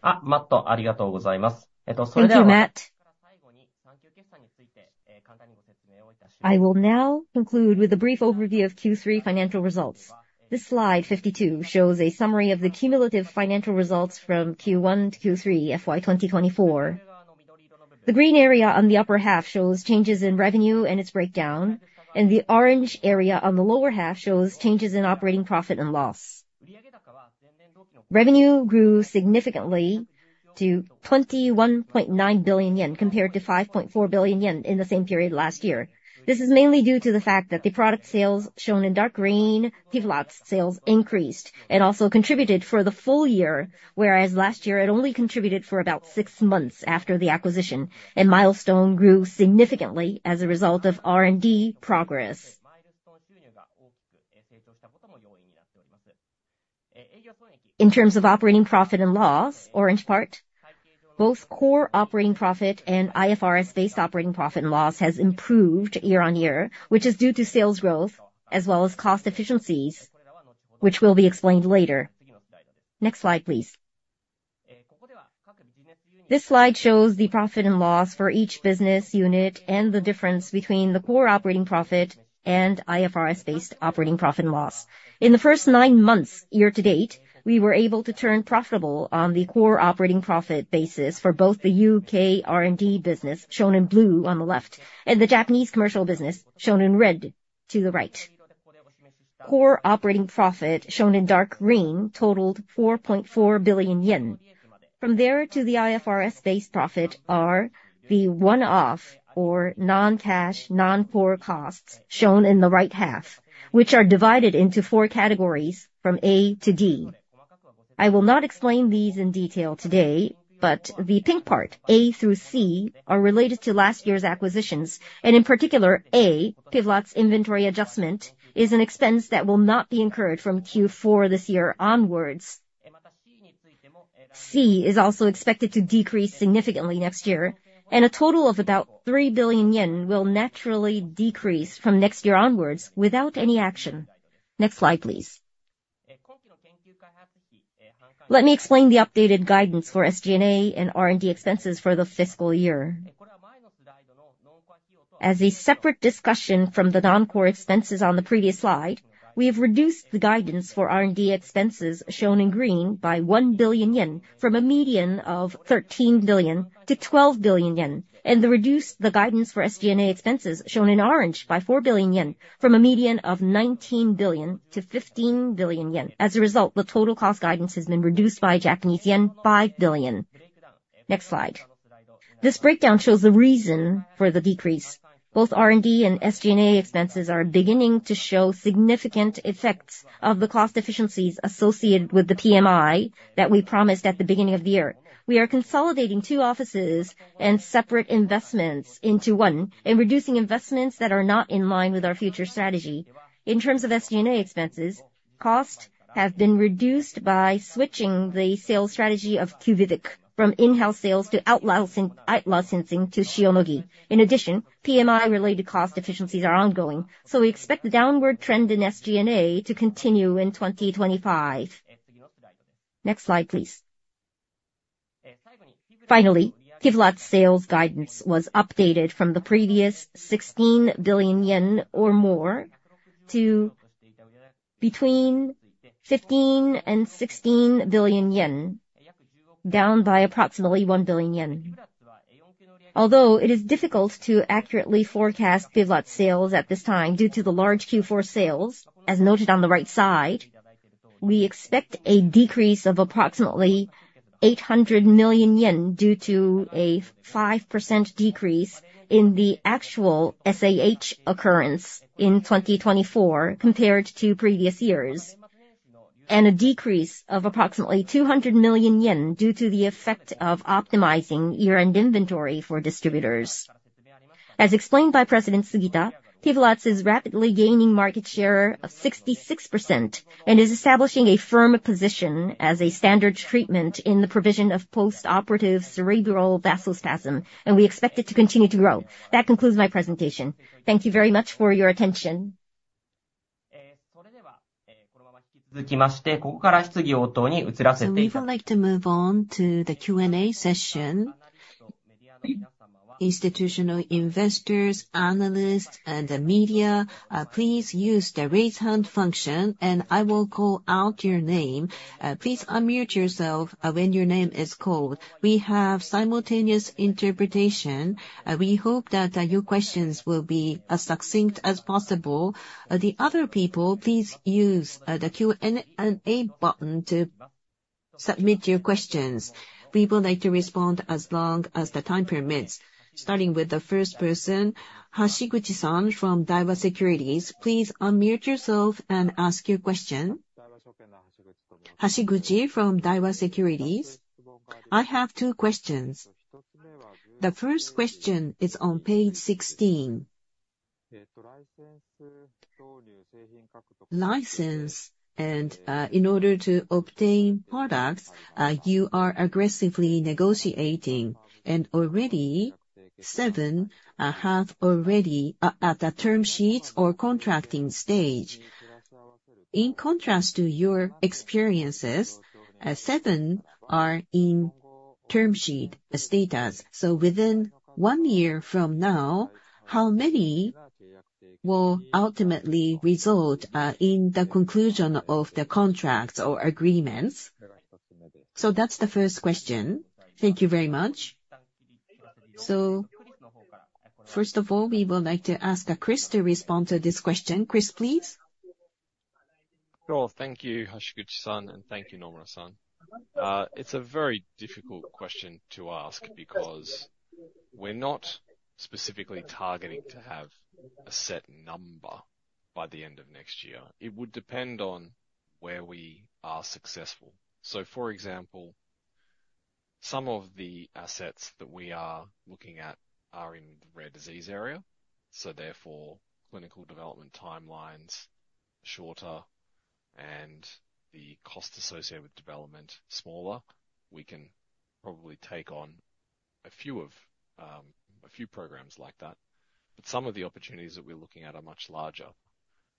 ありがとうございます。それでは。Thank you, Matt. それでは最後に3級決算について簡単にご説明をいたします。I will now conclude with a brief overview of Q3 financial results. This slide, 52, shows a summary of the cumulative financial results from Q1 to Q3 FY 2024. The green area on the upper half shows changes in revenue and its breakdown, and the orange area on the lower half shows changes in operating profit and loss. Revenue grew significantly to 21.9 billion yen compared to 5.4 billion yen in the same period last year. This is mainly due to the fact that the product sales shown in dark green sales increased and also contributed for the full year, whereas last year it only contributed for about six months after the acquisition, and milestone grew significantly as a result of R&D progress. In terms of operating profit and loss, orange part, both core operating profit and IFRS-based operating profit and loss have improved year on year, which is due to sales growth as well as cost efficiencies, which will be explained later. Next slide, please. This slide shows the profit and loss for each business unit and the difference between the core operating profit and IFRS-based operating profit and loss. In the first nine months year to date, we were able to turn profitable on the core operating profit basis for both the U.K. R&D business shown in blue on the left and the Japanese commercial business shown in red to the right. Core operating profit shown in dark green totaled 4.4 billion yen. From there to the IFRS-based profit are the one-off or non-cash, non-core costs shown in the right half, which are divided into four categories from A to D. I will not explain these in detail today, but the pink part, A through C, are related to last year's acquisitions, and in particular, A, PIVLAZ's inventory adjustment, is an expense that will not be incurred from Q4 this year onwards. C is also expected to decrease significantly next year, and a total of about 3 billion yen will naturally decrease from next year onwards without any action. Next slide, please. Let me explain the updated guidance for SG&A and R&D expenses for the fiscal year. As a separate discussion from the non-core expenses on the previous slide, we have reduced the guidance for R&D expenses shown in green by one billion yen from a median of 13 billion to 12 billion yen, and reduced the guidance for SG&A expenses shown in orange by four billion yen from a median of 19 billion to 15 billion yen. As a result, the total cost guidance has been reduced by Japanese yen 5 billion. Next slide. This breakdown shows the reason for the decrease. Both R&D and SG&A expenses are beginning to show significant effects of the cost efficiencies associated with the PMI that we promised at the beginning of the year. We are consolidating two offices and separate investments into one and reducing investments that are not in line with our future strategy. In terms of SG&A expenses, costs have been reduced by switching the sales strategy of QUVIVIQ from in-house sales to outsourcing to Shionogi. In addition, PMI-related cost efficiencies are ongoing, so we expect the downward trend in SG&A to continue in 2025. Next slide, please. Finally, PIVLAZ's sales guidance was updated from the previous 16 billion yen or more to between 15 billion and 16 billion yen, down by approximately 1 billion yen. Although it is difficult to accurately forecast PIVLAZ's sales at this time due to the large Q4 sales, as noted on the right side, we expect a decrease of approximately 800 million yen due to a 5% decrease in the actual aSAH occurrence in 2024 compared to previous years, and a decrease of approximately 200 million yen due to the effect of optimizing year-end inventory for distributors. As explained by President Sugita, PIVLAZ is rapidly gaining market share of 66% and is establishing a firm position as a standard treatment in the provision of post-operative cerebral vasospasm, and we expect it to continue to grow. That concludes my presentation. Thank you very much for your attention. それではこのまま引き続きましてここから質疑応答に移らせていただきます。We would like to move on to the Q&A session. Institutional investors, analysts, and the media, please use the raise hand function, and I will call out your name. Please unmute yourself when your name is called. We have simultaneous interpretation. We hope that your questions will be as succinct as possible. The other people, please use the Q&A button to submit your questions. We would like to respond as long as the time permits. Starting with the first person, Hashiguchi-san from Daiwa Securities, please unmute yourself and ask your question. Hashiguchi from Daiwa Securities, I have two questions. The first question is on page 16. License, and in order to obtain products, you are aggressively negotiating, and already seven have already at the term sheets or contracting stage. In contrast to your experiences, seven are in term sheet status. So, within one year from now, how many will ultimately result in the conclusion of the contracts or agreements? So that's the first question. Thank you very much. So first of all, we would like to ask Chris to respond to this question. Chris, please. Sure. Thank you, Hashiguchi-san, and thank you, Nomura-san. It's a very difficult question to ask because we're not specifically targeting to have a set number by the end of next year. It would depend on where we are successful. So for example, some of the assets that we are looking at are in the rare disease area, so therefore clinical development timelines shorter and the cost associated with development smaller. We can probably take on a few programs like that, but some of the opportunities that we're looking at are much larger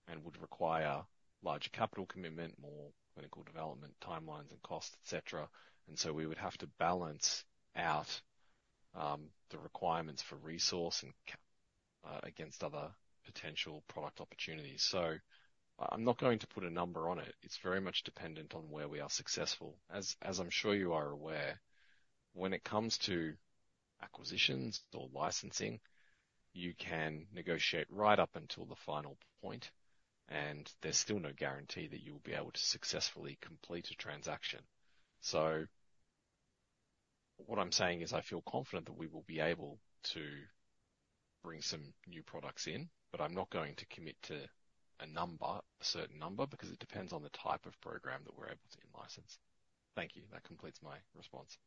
and would require larger capital commitment, more clinical development timelines and costs, et cetera. And so we would have to balance out the requirements for resource against other potential product opportunities. So I'm not going to put a number on it. It's very much dependent on where we are successful. As I'm sure you are aware, when it comes to acquisitions or licensing, you can negotiate right up until the final point, and there's still no guarantee that you'll be able to successfully complete a transaction. So what I'm saying is I feel confident that we will be able to bring some new products in, but I'm not going to commit to a number, a certain number, because it depends on the type of program that we're able to license. Thank you. That completes my response.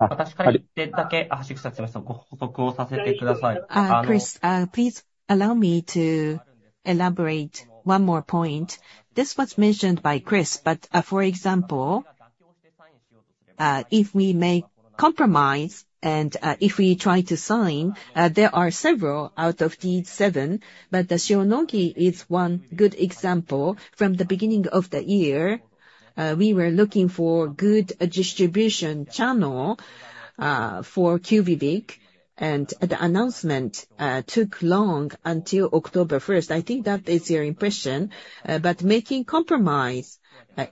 私から一点だけ、ハシグサ様、ご報告をさせてください。Chris, please allow me to elaborate one more point. This was mentioned by Chris, but for example, if we make compromise and if we try to sign, there are several out of these seven, but the Shionogi is one good example. From the beginning of the year, we were looking for a good distribution channel for QUVIVIQ, and the announcement took long until October 1st. I think that is your impression, but making compromise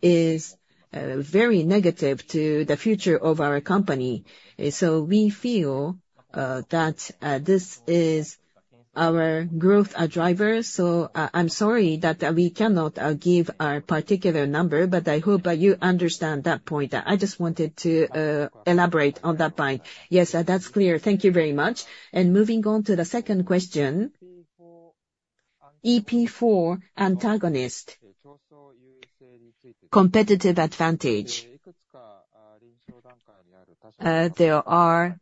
is very negative to the future of our company. So we feel that this is our growth driver. So I'm sorry that we cannot give our particular number, but I hope you understand that point. I just wanted to elaborate on that point. Yes, that's clear. Thank you very much. And moving on to the second question, EP4 antagonist competitive advantage. There are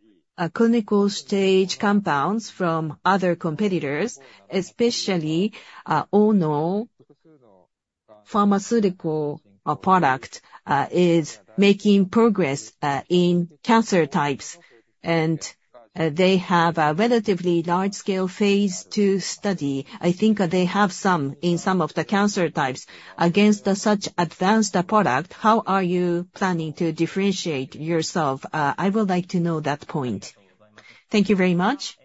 clinical stage compounds from other competitors, especially Ono Pharmaceutical product is making progress in cancer types, and they have a relatively large-scale phase II study. I think they have some in some of the cancer types. Against such advanced product, how are you planning to differentiate yourself? I would like to know that point. Thank you very much.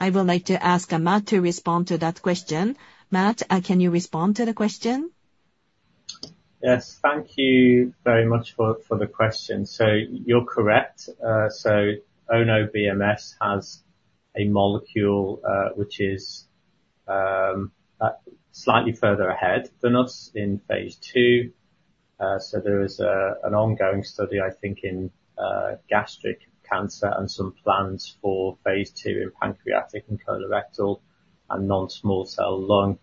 I would like to ask Matt to respond to that question. Matt, can you respond to the question? Yes. Thank you very much for the question. So you're correct. So Ono BMS has a molecule which is slightly further ahead than us in phase II. So there is an ongoing study, I think, in gastric cancer and some plans for phase II in pancreatic and colorectal and non-small cell lung.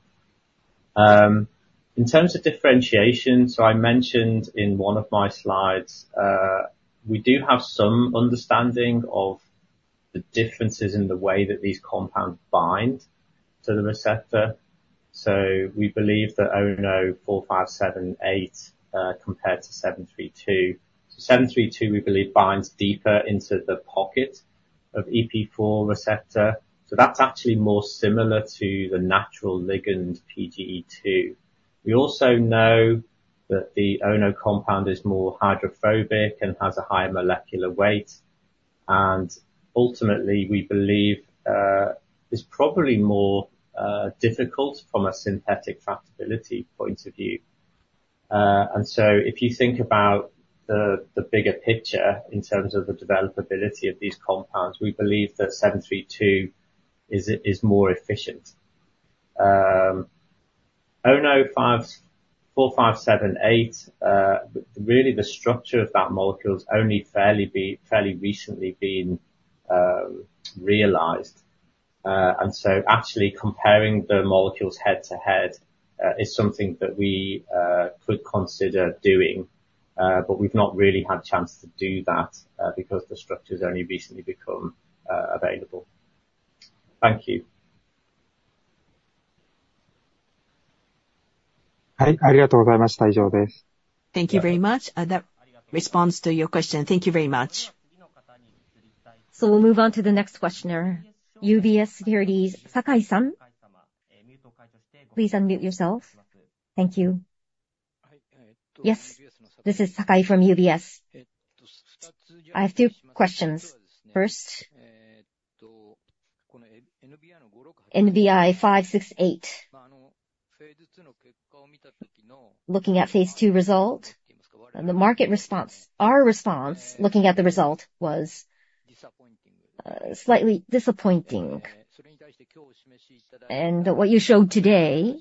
In terms of differentiation, so I mentioned in one of my slides, we do have some understanding of the differences in the way that these compounds bind to the receptor. So we believe that ONO-4578 compared to NXE-732. So NXE-732, we believe, binds deeper into the pocket of EP4 receptor. So that's actually more similar to the natural ligand PGE2. We also know that the Ono compound is more hydrophobic and has a higher molecular weight. And ultimately, we believe it's probably more difficult from a synthetic feasibility point of view. And so if you think about the bigger picture in terms of the developability of these compounds, we believe that NXE-732 is more efficient. ONO-4578, really the structure of that molecule has only fairly recently been realized. And so actually comparing the molecules head to head is something that we could consider doing, but we've not really had a chance to do that because the structure has only recently become available. Thank you. Thank you very much. That responds to your question. Thank you very much. So we'll move on to the next questioner. UBS Securities, Sakai-san, please unmute yourself. Thank you. Yes. This is Sakai from UBS. I have two questions. First, NBI-568. Looking at phase II result, the market response, our response looking at the result was slightly disappointing. And what you showed today,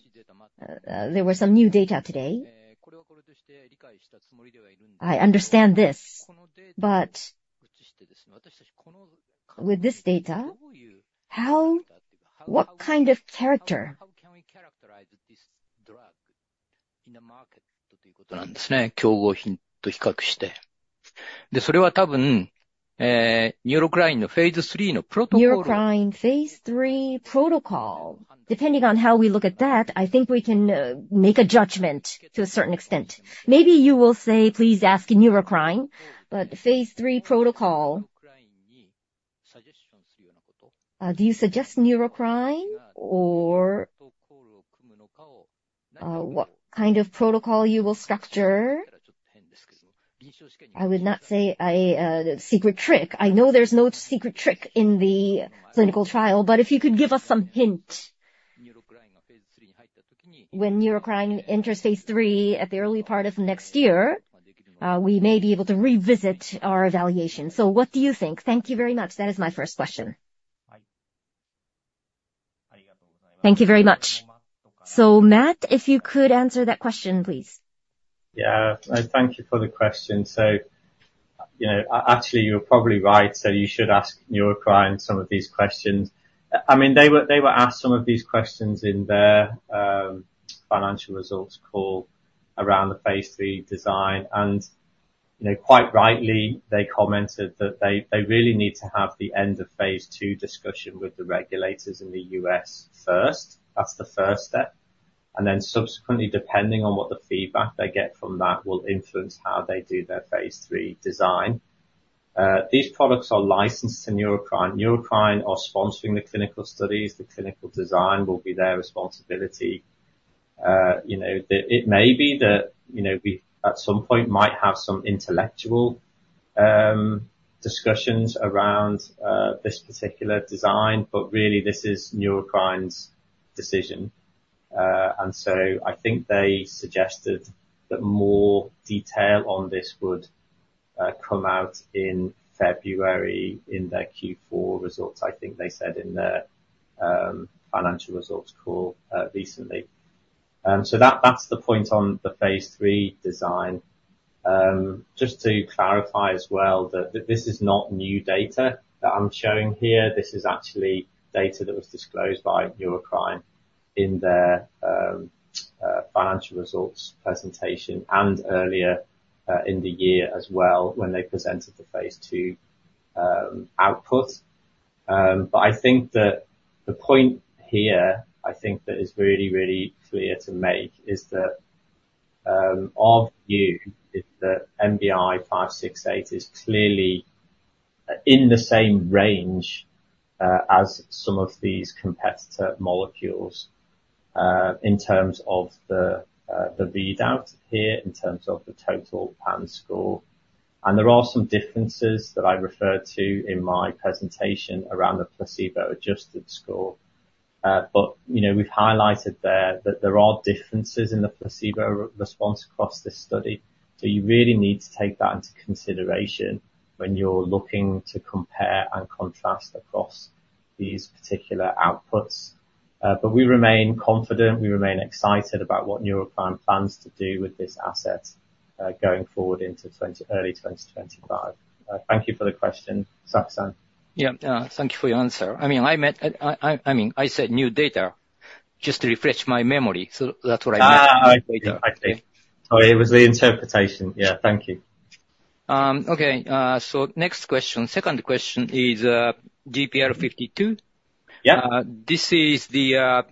there were some new data today. I understand this, but with this data, what kind of character in the market? 競合品と比較して。それは多分、ニューロクラインのフェーズ3のプロトコル. Neurocrine Phase III Protocol. Depending on how we look at that, I think we can make a judgment to a certain extent. Maybe you will say, please ask Neurocrine, but Phase III Protocol. Do you suggest Neurocrine or what kind of protocol you will structure? I would not say a secret trick. I know there's no secret trick in the clinical trial, but if you could give us some hint? When NXE-732 enters phase III at the early part of next year, we may be able to revisit our evaluation. So what do you think? Thank you very much. That is my first question. Thank you very much. So Matt, if you could answer that question, please. Yeah. Thank you for the question. So actually, you're probably right. So you should ask Neurocrine some of these questions. I mean, they were asked some of these questions in their financial results call around the phase III design. And quite rightly, they commented that they really need to have the end of phase II discussion with the regulators in the U.S. first. That's the first step. And then subsequently, depending on what the feedback they get from that will influence how they do their phase III design. These products are licensed to Neurocrine. Neurocrine are sponsoring the clinical studies. The clinical design will be their responsibility. It may be that we at some point might have some intellectual discussions around this particular design, but really this is Neurocrine's decision. And so I think they suggested that more detail on this would come out in February in their Q4 results. I think they said in their financial results call recently. So that's the point on the phase III design. Just to clarify as well, this is not new data that I'm showing here. This is actually data that was disclosed by Neurocrine in their financial results presentation and earlier in the year as well when they presented the phase II output. But I think that the point here, I think that is really, really clear to make is that our view is that NBI-568 is clearly in the same range as some of these competitor molecules in terms of the readout here, in terms of the total PANSS score. And there are some differences that I referred to in my presentation around the placebo-adjusted score. But we've highlighted there that there are differences in the placebo response across this study. So you really need to take that into consideration when you're looking to compare and contrast across these particular outputs. But we remain confident. We remain excited about what Neurocrine plans to do with this asset going forward into early 2025. Thank you for the question, Sakai-san. Yeah. Thank you for your answer. I mean, I said new data just to refresh my memory. So that's what I meant. I think. Sorry. It was the interpretation. Yeah. Thank you. Okay. So next question. Second question is GPR52. This is the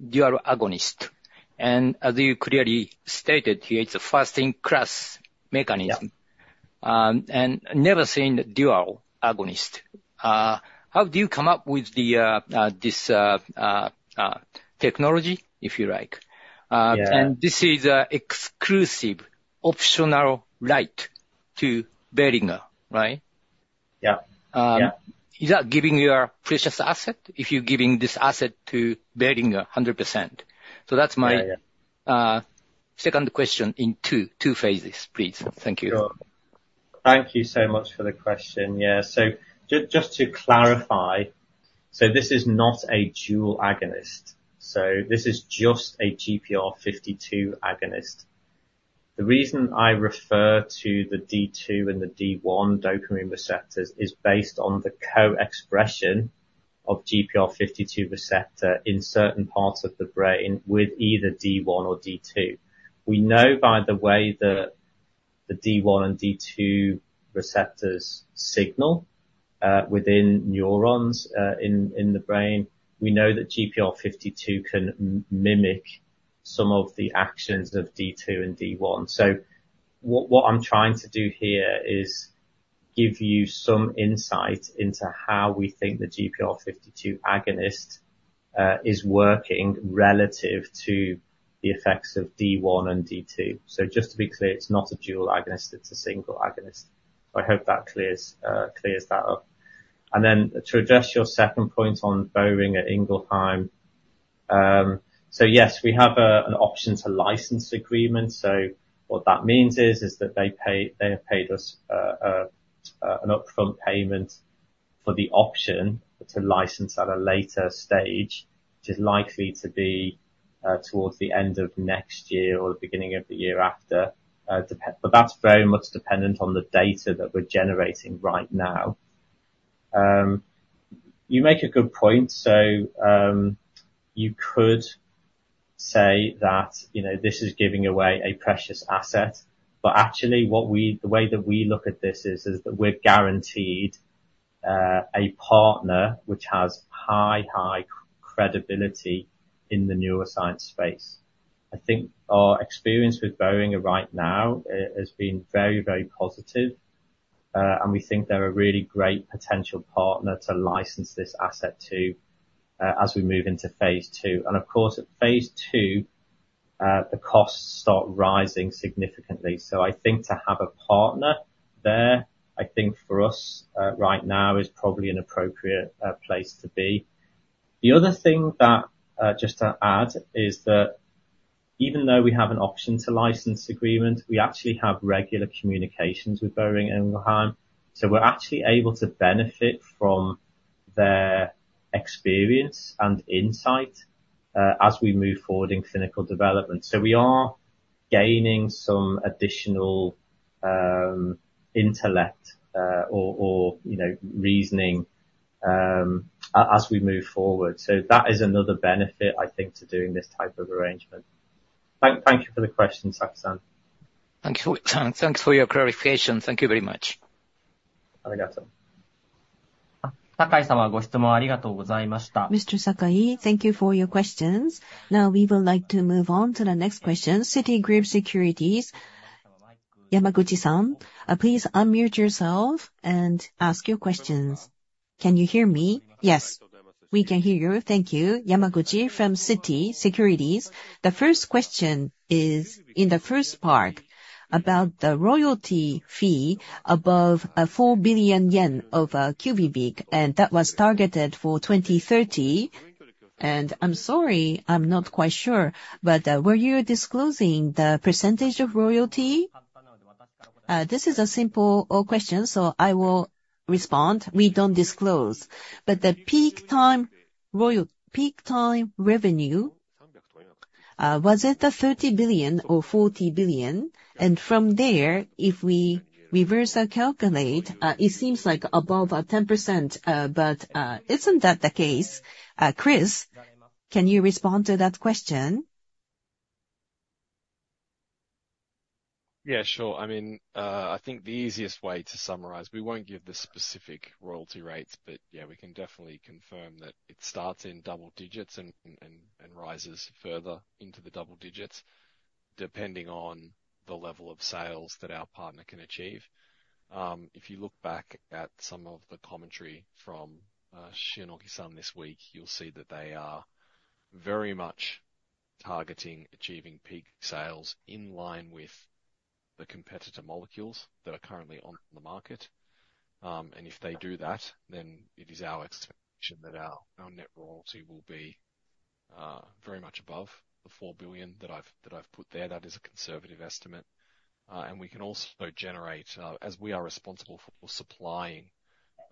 dual agonist. And as you clearly stated here, it's a first-in-class mechanism and novel dual agonist. How do you come up with this technology, if you like? And this is an exclusive option right to Boehringer, right? Yeah. Yeah. Is that giving you a precious asset if you're giving this asset to Boehringer 100%? So that's my second question in two phases, please. Thank you. Thank you so much for the question. Yeah. So just to clarify, so this is not a dual agonist. So this is just a GPR52 agonist. The reason I refer to the D2 and the D1 dopamine receptors is based on the co-expression of GPR52 receptor in certain parts of the brain with either D1 or D2. We know by the way that the D1 and D2 receptors signal within neurons in the brain. We know that GPR52 can mimic some of the actions of D2 and D1. So what I'm trying to do here is give you some insight into how we think the GPR52 agonist is working relative to the effects of D1 and D2. So just to be clear, it's not a dual agonist. It's a single agonist. I hope that clears that up. And then to address your second point on Boehringer Ingelheim, so yes, we have an option to license agreement. So what that means is that they have paid us an upfront payment for the option to license at a later stage, which is likely to be towards the end of next year or the beginning of the year after. But that's very much dependent on the data that we're generating right now. You make a good point. So you could say that this is giving away a precious asset. But actually, the way that we look at this is that we're guaranteed a partner which has high, high credibility in the neuroscience space. I think our experience with Boehringer right now has been very, very positive. We think they're a really great potential partner to license this asset to as we move into phase II. Of course, at phase II, the costs start rising significantly. I think to have a partner there. I think for us right now is probably an appropriate place to be. The other thing that just to add is that even though we have an option to license agreement, we actually have regular communications with Boehringer Ingelheim. We're actually able to benefit from their experience and insight as we move forward in clinical development. We are gaining some additional intellect or reasoning as we move forward. That is another benefit, I think, to doing this type of arrangement. Thank you for the question, Sakai-san. Thanks for your clarification. Thank you very much. ありがとう。ご質問ありがとうございました. Mr. Sakai, thank you for your questions. Now, we would like to move on to the next question, Citigroup Securities. Yamaguchi-san, please unmute yourself and ask your questions. Can you hear me? Yes. We can hear you. Thank you. Yamaguchi from Citi Securities. The first question is in the first part about the royalty fee above 4 billion yen of QUVIVIQ, and that was targeted for 2030. And I'm sorry, I'm not quite sure, but were you disclosing the percentage of royalty? This is a simple question, so I will respond. We don't disclose. But the peak time revenue, was it 30 billion or 40 billion? And from there, if we reverse our calculation, it seems like above 10%, but isn't that the case? Chris, can you respond to that question? Yeah, sure. I mean, I think the easiest way to summarize, we won't give the specific royalty rates, but yeah, we can definitely confirm that it starts in double digits and rises further into the double digits depending on the level of sales that our partner can achieve. If you look back at some of the commentary from Shionogi-san this week, you'll see that they are very much targeting achieving peak sales in line with the competitor molecules that are currently on the market. And if they do that, then it is our expectation that our net royalty will be very much above the 4 billion that I've put there. That is a conservative estimate. And we can also generate, as we are responsible for supplying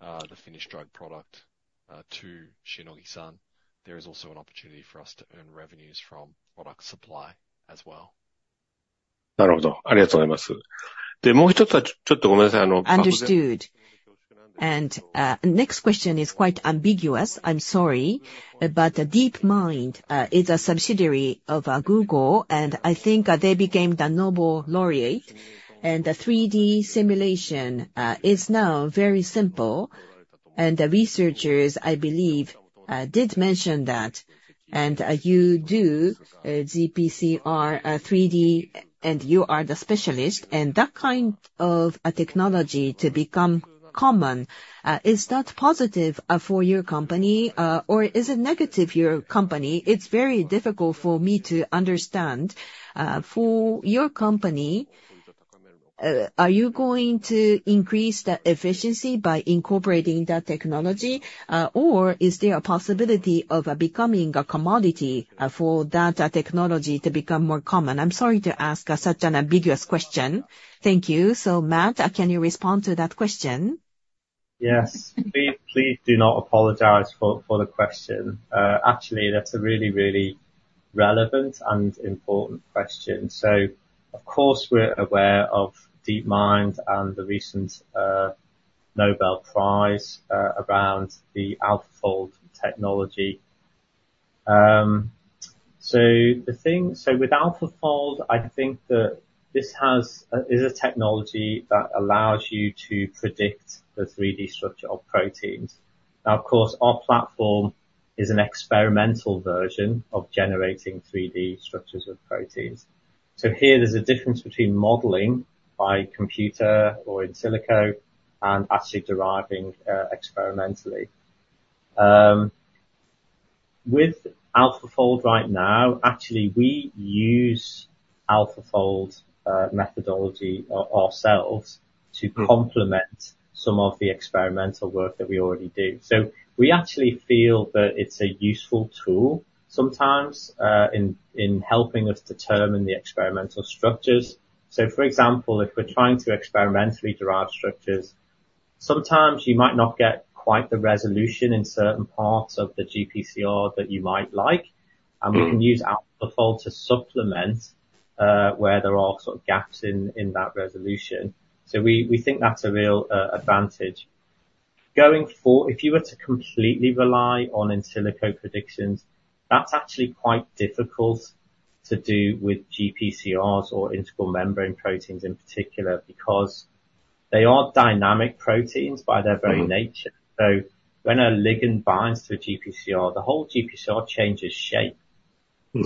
the finished drug product to Shionogi-san, there is also an opportunity for us to earn revenues from product supply as well. ありがとうございます。もう一つはちょっとごめんなさい。Understood. And the next question is quite ambiguous. I'm sorry, but DeepMind is a subsidiary of Google, and I think they became the Nobel laureate. And the 3D simulation is now very simple. And the researchers, I believe, did mention that. And you do GPCR 3D, and you are the specialist. And that kind of technology to become common, is that positive for your company, or is it negative for your company? It's very difficult for me to understand. For your company, are you going to increase the efficiency by incorporating that technology, or is there a possibility of becoming a commodity for that technology to become more common? I'm sorry to ask such an ambiguous question. Thank you. So Matt, can you respond to that question? Yes. Please do not apologize for the question. Actually, that's a really, really relevant and important question. So of course, we're aware of DeepMind and the recent Nobel Prize around the AlphaFold technology. So, with AlphaFold, I think that this is a technology that allows you to predict the 3D structure of proteins. Now, of course, our platform is an experimental version of generating 3D structures of proteins. So here, there's a difference between modeling by computer or in silico and actually deriving experimentally. With AlphaFold right now, actually, we use AlphaFold methodology ourselves to complement some of the experimental work that we already do. So we actually feel that it's a useful tool sometimes in helping us determine the experimental structures. So for example, if we're trying to experimentally derive structures, sometimes you might not get quite the resolution in certain parts of the GPCR that you might like. We can use AlphaFold to supplement where there are sort of gaps in that resolution. We think that's a real advantage. If you were to completely rely on in silico predictions, that's actually quite difficult to do with GPCRs or integral membrane proteins in particular because they are dynamic proteins by their very nature. When a ligand binds to a GPCR, the whole GPCR changes shape. We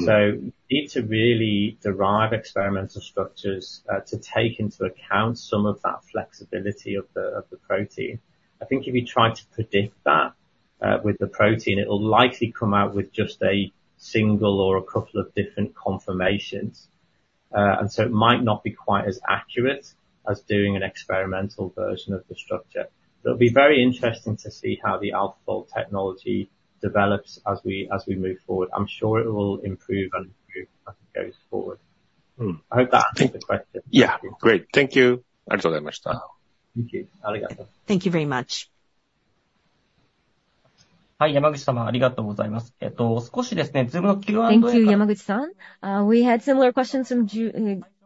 need to really derive experimental structures to take into account some of that flexibility of the protein. I think if you try to predict that with the protein, it will likely come out with just a single or a couple of different conformations. It might not be quite as accurate as doing an experimental version of the structure. It'll be very interesting to see how the AlphaFold technology develops as we move forward. I'm sure it will improve as it goes forward. I hope that answers the question. Yeah. Great. Thank you. Thank you. Thank you very much. Hi, Yamaguchi-san. Thank you. We had similar questions from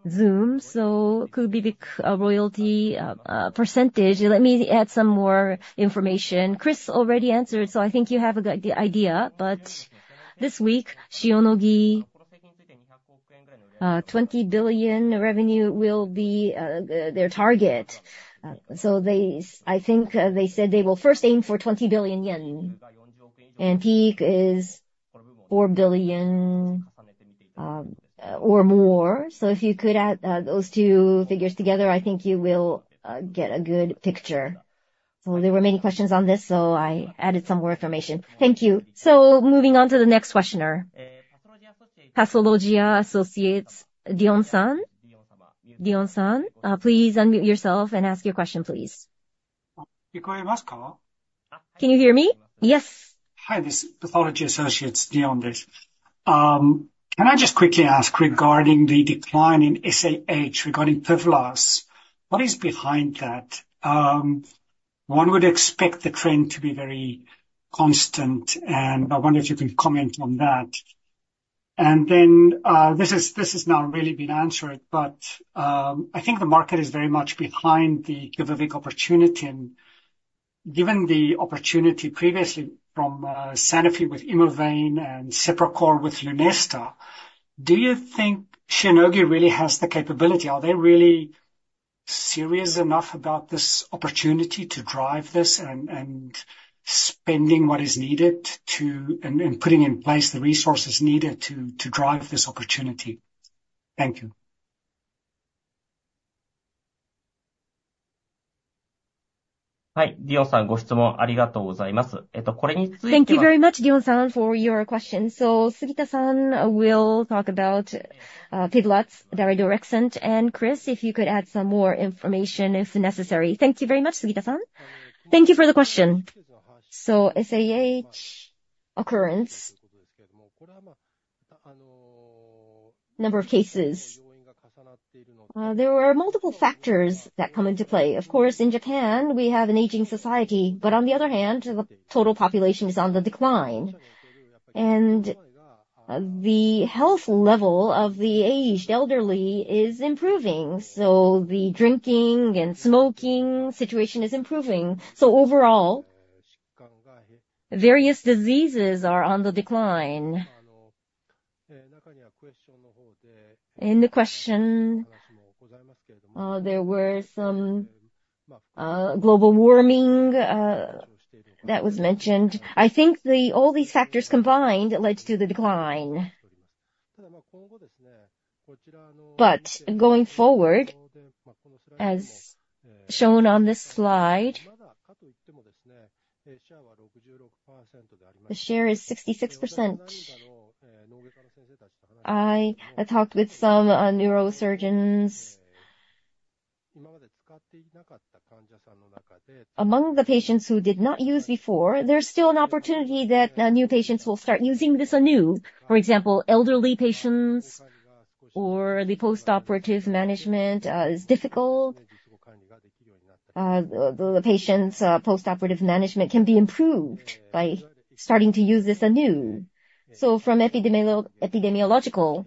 Zoom. So QUVIVIQ royalty percentage. Let me add some more information. Chris already answered, so I think you have the idea. But this week, Shionogi, 20 billion revenue will be their target. So I think they said they will first aim for 20 billion yen, and peak is 4 billion or more. So if you could add those two figures together, I think you will get a good picture. So there were many questions on this, so I added some more information. Thank you. So moving on to the next questioner. Pathology Associates, Dion-san. Dion-san, please unmute yourself and ask your question, please. Can you hear me? Yes. Hi, this is Pathology Associates, Dion there. Can I just quickly ask regarding the decline in aSAH regarding PIVLAZ? What is behind that? One would expect the trend to be very constant, and I wonder if you can comment on that. And then this has now really been answered, but I think the market is very much behind the QUVIVIQ opportunity. And given the opportunity previously from Sanofi with Imovane and Sepracor with Lunesta, do you think Shionogi really has the capability? Are they really serious enough about this opportunity to drive this and spending what is needed and putting in place the resources needed to drive this opportunity? Thank you. Hi, Dion-san. A lot of questions. Thank you very much, Dion-san, for your question. So Sugita-san will talk about PIVLAZ, Daridorexant. And Chris, if you could add some more information if necessary. Thank you very much, Sugita-san. Thank you for the question. So aSAH occurrence, number of cases. There are multiple factors that come into play. Of course, in Japan, we have an aging society, but on the other hand, the total population is on the decline. And the health level of the aged elderly is improving. So the drinking and smoking situation is improving. So overall, various diseases are on the decline. In the question, there were some global warming that was mentioned. I think all these factors combined led to the decline. But going forward, as shown on this slide, I talked with some neurosurgeons. Among the patients who did not use before, there's still an opportunity that new patients will start using this anew. For example, elderly patients or the post-operative management is difficult. The patients' post-operative management can be improved by starting to use this anew. So from epidemiological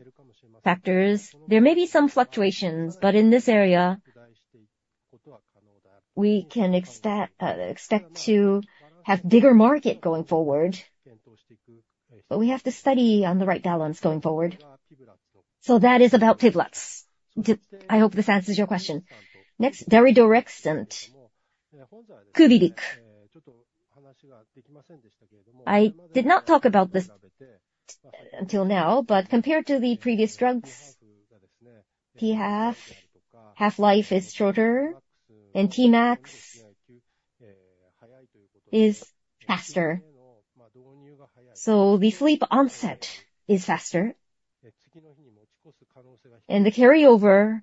factors, there may be some fluctuations, but in this area, we can expect to have a bigger market going forward. But we have to study on the right balance going forward. So that is about PIVLAZ. I hope this answers your question. Next, Daridorexant. QUVIVIQ. I did not talk about this until now, but compared to the previous drugs, half-life is shorter, and Tmax is faster. So the sleep onset is faster, and the carryover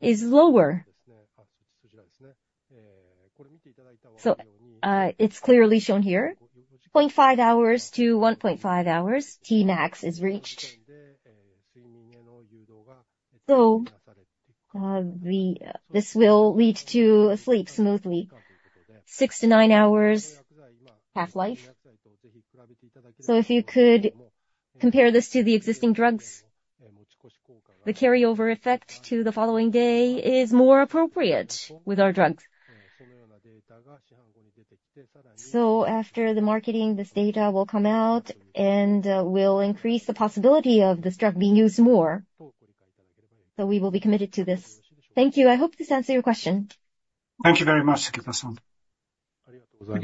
is lower. So if you could compare this to the carryover effect to the following day is more appropriate with our drugs. So we will be committed to this. Thank you. I hope this answers your question. Thank you very much, Sugita-san. Thank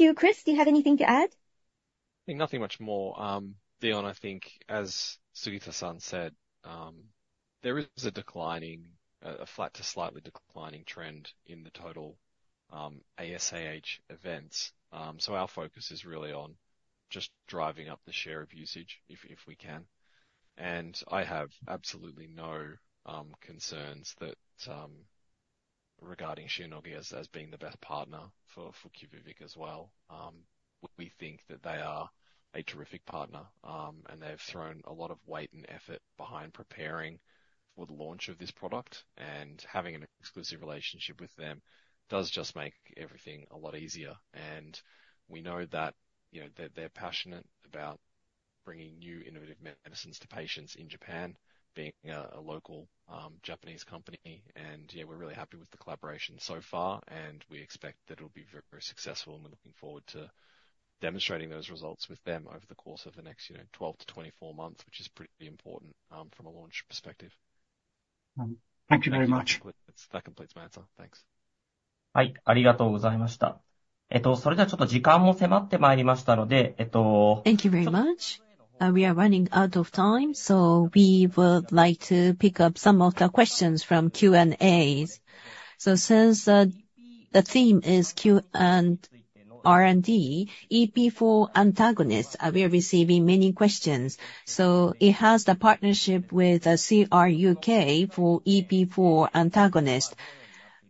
you. Chris, do you have anything to add? Nothing much more. Dion, I think, as Sugita-san said, there is a declining, a flat to slightly declining trend in the total aSAH events. So our focus is really on just driving up the share of usage if we can. And I have absolutely no concerns regarding Shionogi as being the best partner for QUVIVIQ as well. We think that they are a terrific partner, and they've thrown a lot of weight and effort behind preparing for the launch of this product. And having an exclusive relationship with them does just make everything a lot easier. And we know that they're passionate about bringing new innovative medicines to patients in Japan, being a local Japanese company. And yeah, we're really happy with the collaboration so far, and we expect that it will be very successful. We're looking forward to demonstrating those results with them over the course of the next 12-24 months, which is pretty important from a launch perspective. Thank you very much. That completes my answer. Thanks. はい、ありがとうございました。それではちょっと時間も迫ってまいりましたので。Thank you very much. We are running out of time, so we would like to pick up some of the questions from Q&As. So since the theme is Q and R&D, EP4 antagonists we are receiving many questions. So it has the partnership with CR U.K. for EP4 antagonists.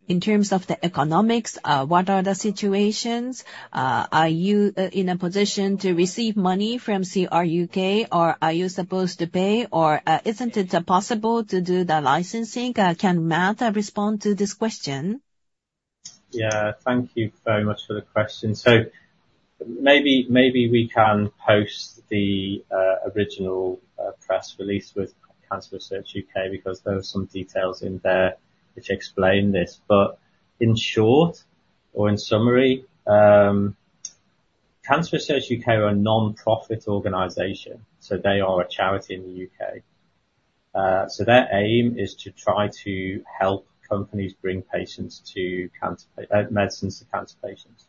In terms of the economics, what are the situations? Are you in a position to receive money from CR U.K., or are you supposed to pay? Or isn't it possible to do the licensing? Can Matt respond to this question? Yeah, thank you very much for the question. So maybe we can post the original press release with Cancer Research U.K. because there are some details in there which explain this. But in short, or in summary, Cancer Research U.K. are a nonprofit organization, so they are a charity in the U.K. So their aim is to try to help companies bring medicines to cancer patients.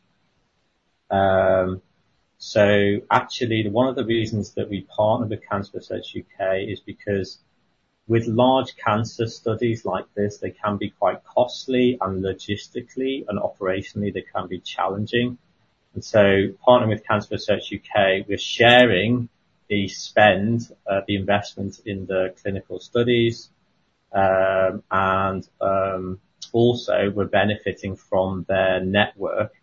So actually, one of the reasons that we partnered with Cancer Research U.K. is because with large cancer studies like this, they can be quite costly and logistically and operationally, they can be challenging. And so partnering with Cancer Research U.K., we're sharing the spend, the investment in the clinical studies. And also, we're benefiting from their network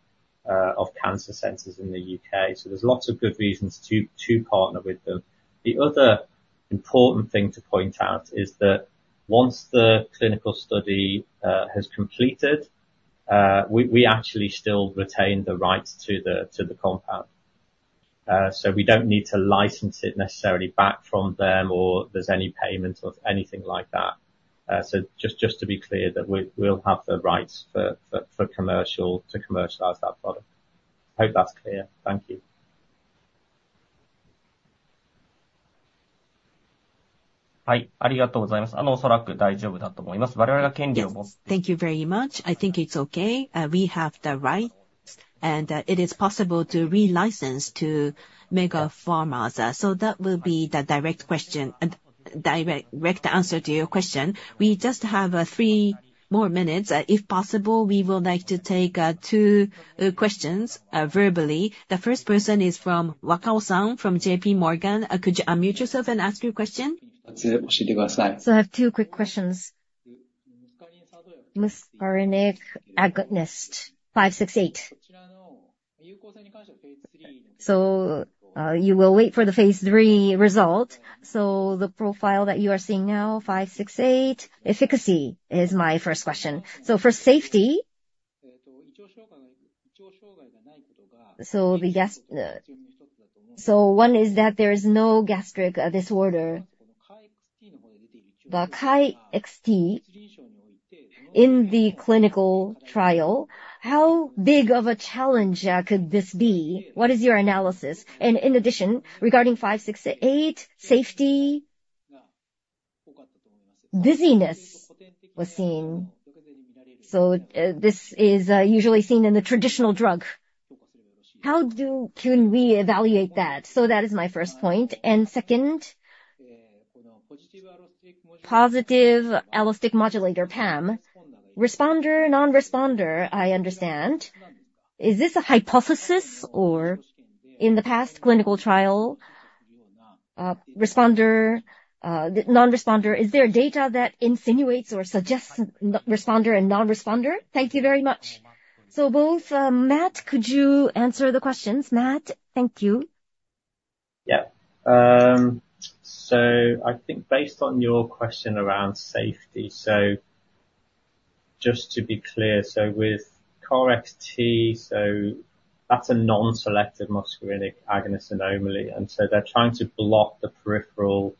of cancer centers in the U.K. So, there's lots of good reasons to partner with them. The other important thing to point out is that once the clinical study has completed, we actually still retain the rights to the compound. So we don't need to license it necessarily back from them or there's any payment or anything like that. So just to be clear that we'll have the rights to commercialize that product. Hope that's clear. Thank you. はい、ありがとうございます。おそらく大丈夫だと思います。我々が権利を持って。Thank you very much. I think it's okay. We have the rights, and it is possible to relicense to mega pharmas. So that will be the direct question, direct answer to your question. We just have three more minutes. If possible, we would like to take two questions verbally. The first person is from Wakao-san from J.P. Morgan. Could you unmute yourself and ask your question? I have two quick questions. Muscarinic agonist 568. So, you will wait for the phase III result. So, the profile that you are seeing now, 568, efficacy is my first question. So, for safety. So one is that there is no gastric disorder. In the clinical trial, how big of a challenge could this be? What is your analysis? And in addition, regarding 568, safety. Dizziness was seen. So this is usually seen in the traditional drug. How can we evaluate that? So that is my first point. And second, Positive Allosteric Modulator, PAM. Responder, non-responder, I understand. Is this a hypothesis or in the past clinical trial, responder, non-responder, is there data that insinuates or suggests responder and non-responder? Thank you very much. So, Matt, could you answer the questions? Matt, thank you. Yeah. So I think based on your question around safety, so just to be clear, so with KarXT, so that's a non-selective muscarinic agonist analogue. And so they're trying to block the peripheral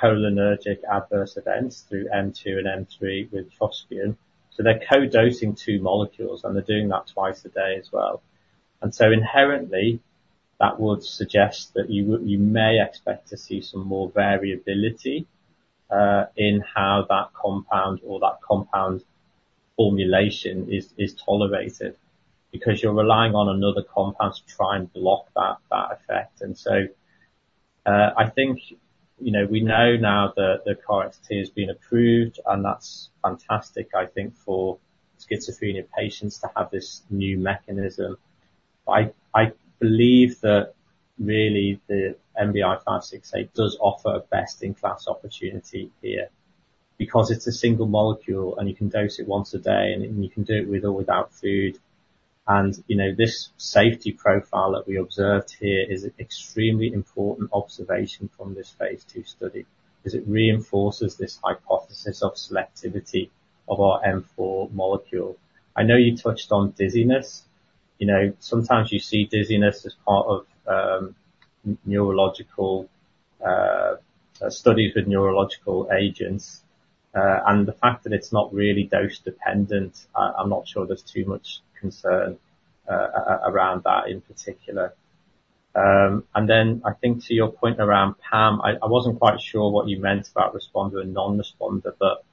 cholinergic adverse events through M2 and M3 with trospium. So they're co-dosing two molecules, and they're doing that twice a day as well. And so inherently, that would suggest that you may expect to see some more variability in how that compound or that compound formulation is tolerated because you're relying on another compound to try and block that effect. And so I think we know now that the KarXT has been approved, and that's fantastic, I think, for schizophrenia patients to have this new mechanism. I believe that really the NBI-568 does offer a best-in-class opportunity here because it's a single molecule, and you can dose it once a day, and you can do it with or without food, and this safety profile that we observed here is an extremely important observation from this phase II study because it reinforces this hypothesis of selectivity of our M4 molecule. I know you touched on dizziness. Sometimes you see dizziness as part of neurological studies with neurological agents, and the fact that it's not really dose-dependent. I'm not sure there's too much concern around that in particular, and then I think to your point around PAM. I wasn't quite sure what you meant about responder and non-responder, but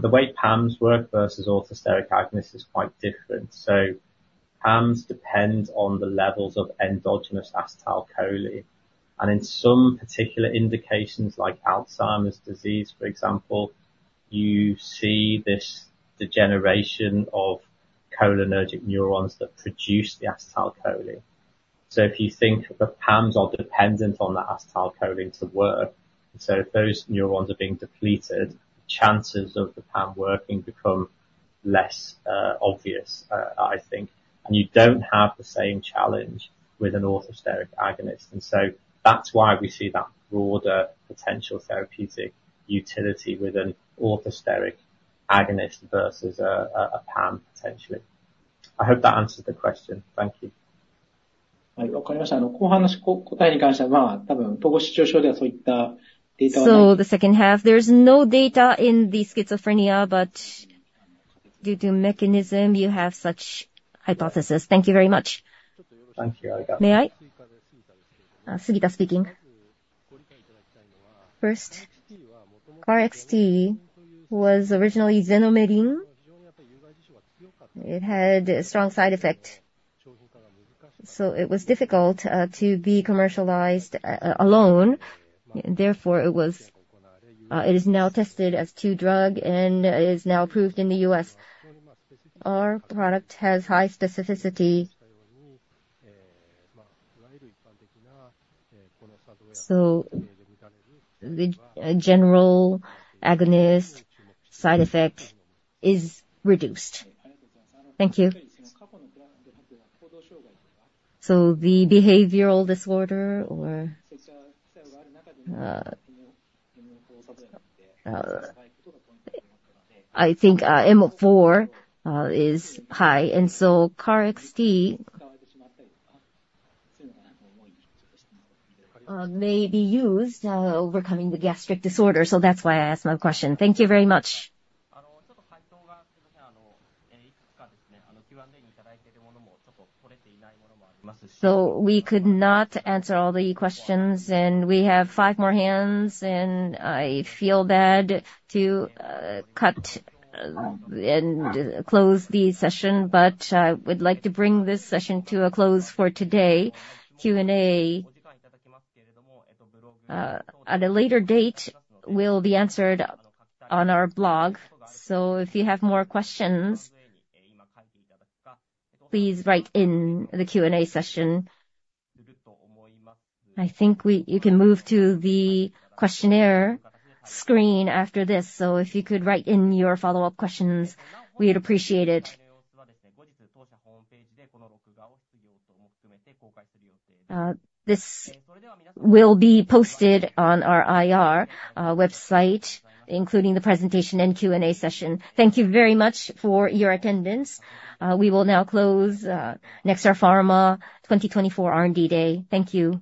the way PAMs work versus orthosteric agonists is quite different, so PAMs depend on the levels of endogenous acetylcholine. In some particular indications like Alzheimer's disease, for example, you see this degeneration of cholinergic neurons that produce the acetylcholine. So if you think the PAMs are dependent on that acetylcholine to work, so if those neurons are being depleted, the chances of the PAM working become less obvious, I think. You don't have the same challenge with an orthosteric agonist. So that's why we see that broader potential therapeutic utility with an orthosteric agonist versus a PAM potentially. I hope that answers the question. Thank you. So the second half, there's no data in the schizophrenia, but KarXT was originally xanomeline, so it was difficult to be commercialized alone. Therefore, it is now tested as two drugs and is now approved in the U.S. Our product has high specificity, so I think M4 is high, and so KarXT could not answer all the questions, and we have five more hands, and I feel bad to cut and close the session, but I would like to bring this session to a close for today. At a later date, we'll be answered on our blog. So if you have more questions, please write in the Q&A session. I think you can move to the questionnaire screen after this. So if you could write in your follow-up questions, we'd appreciate it. This will be posted on our IR website, including the presentation and Q&A session. Thank you very much for your attendance. We will now close Nxera Pharma 2024 R&D Day. Thank you.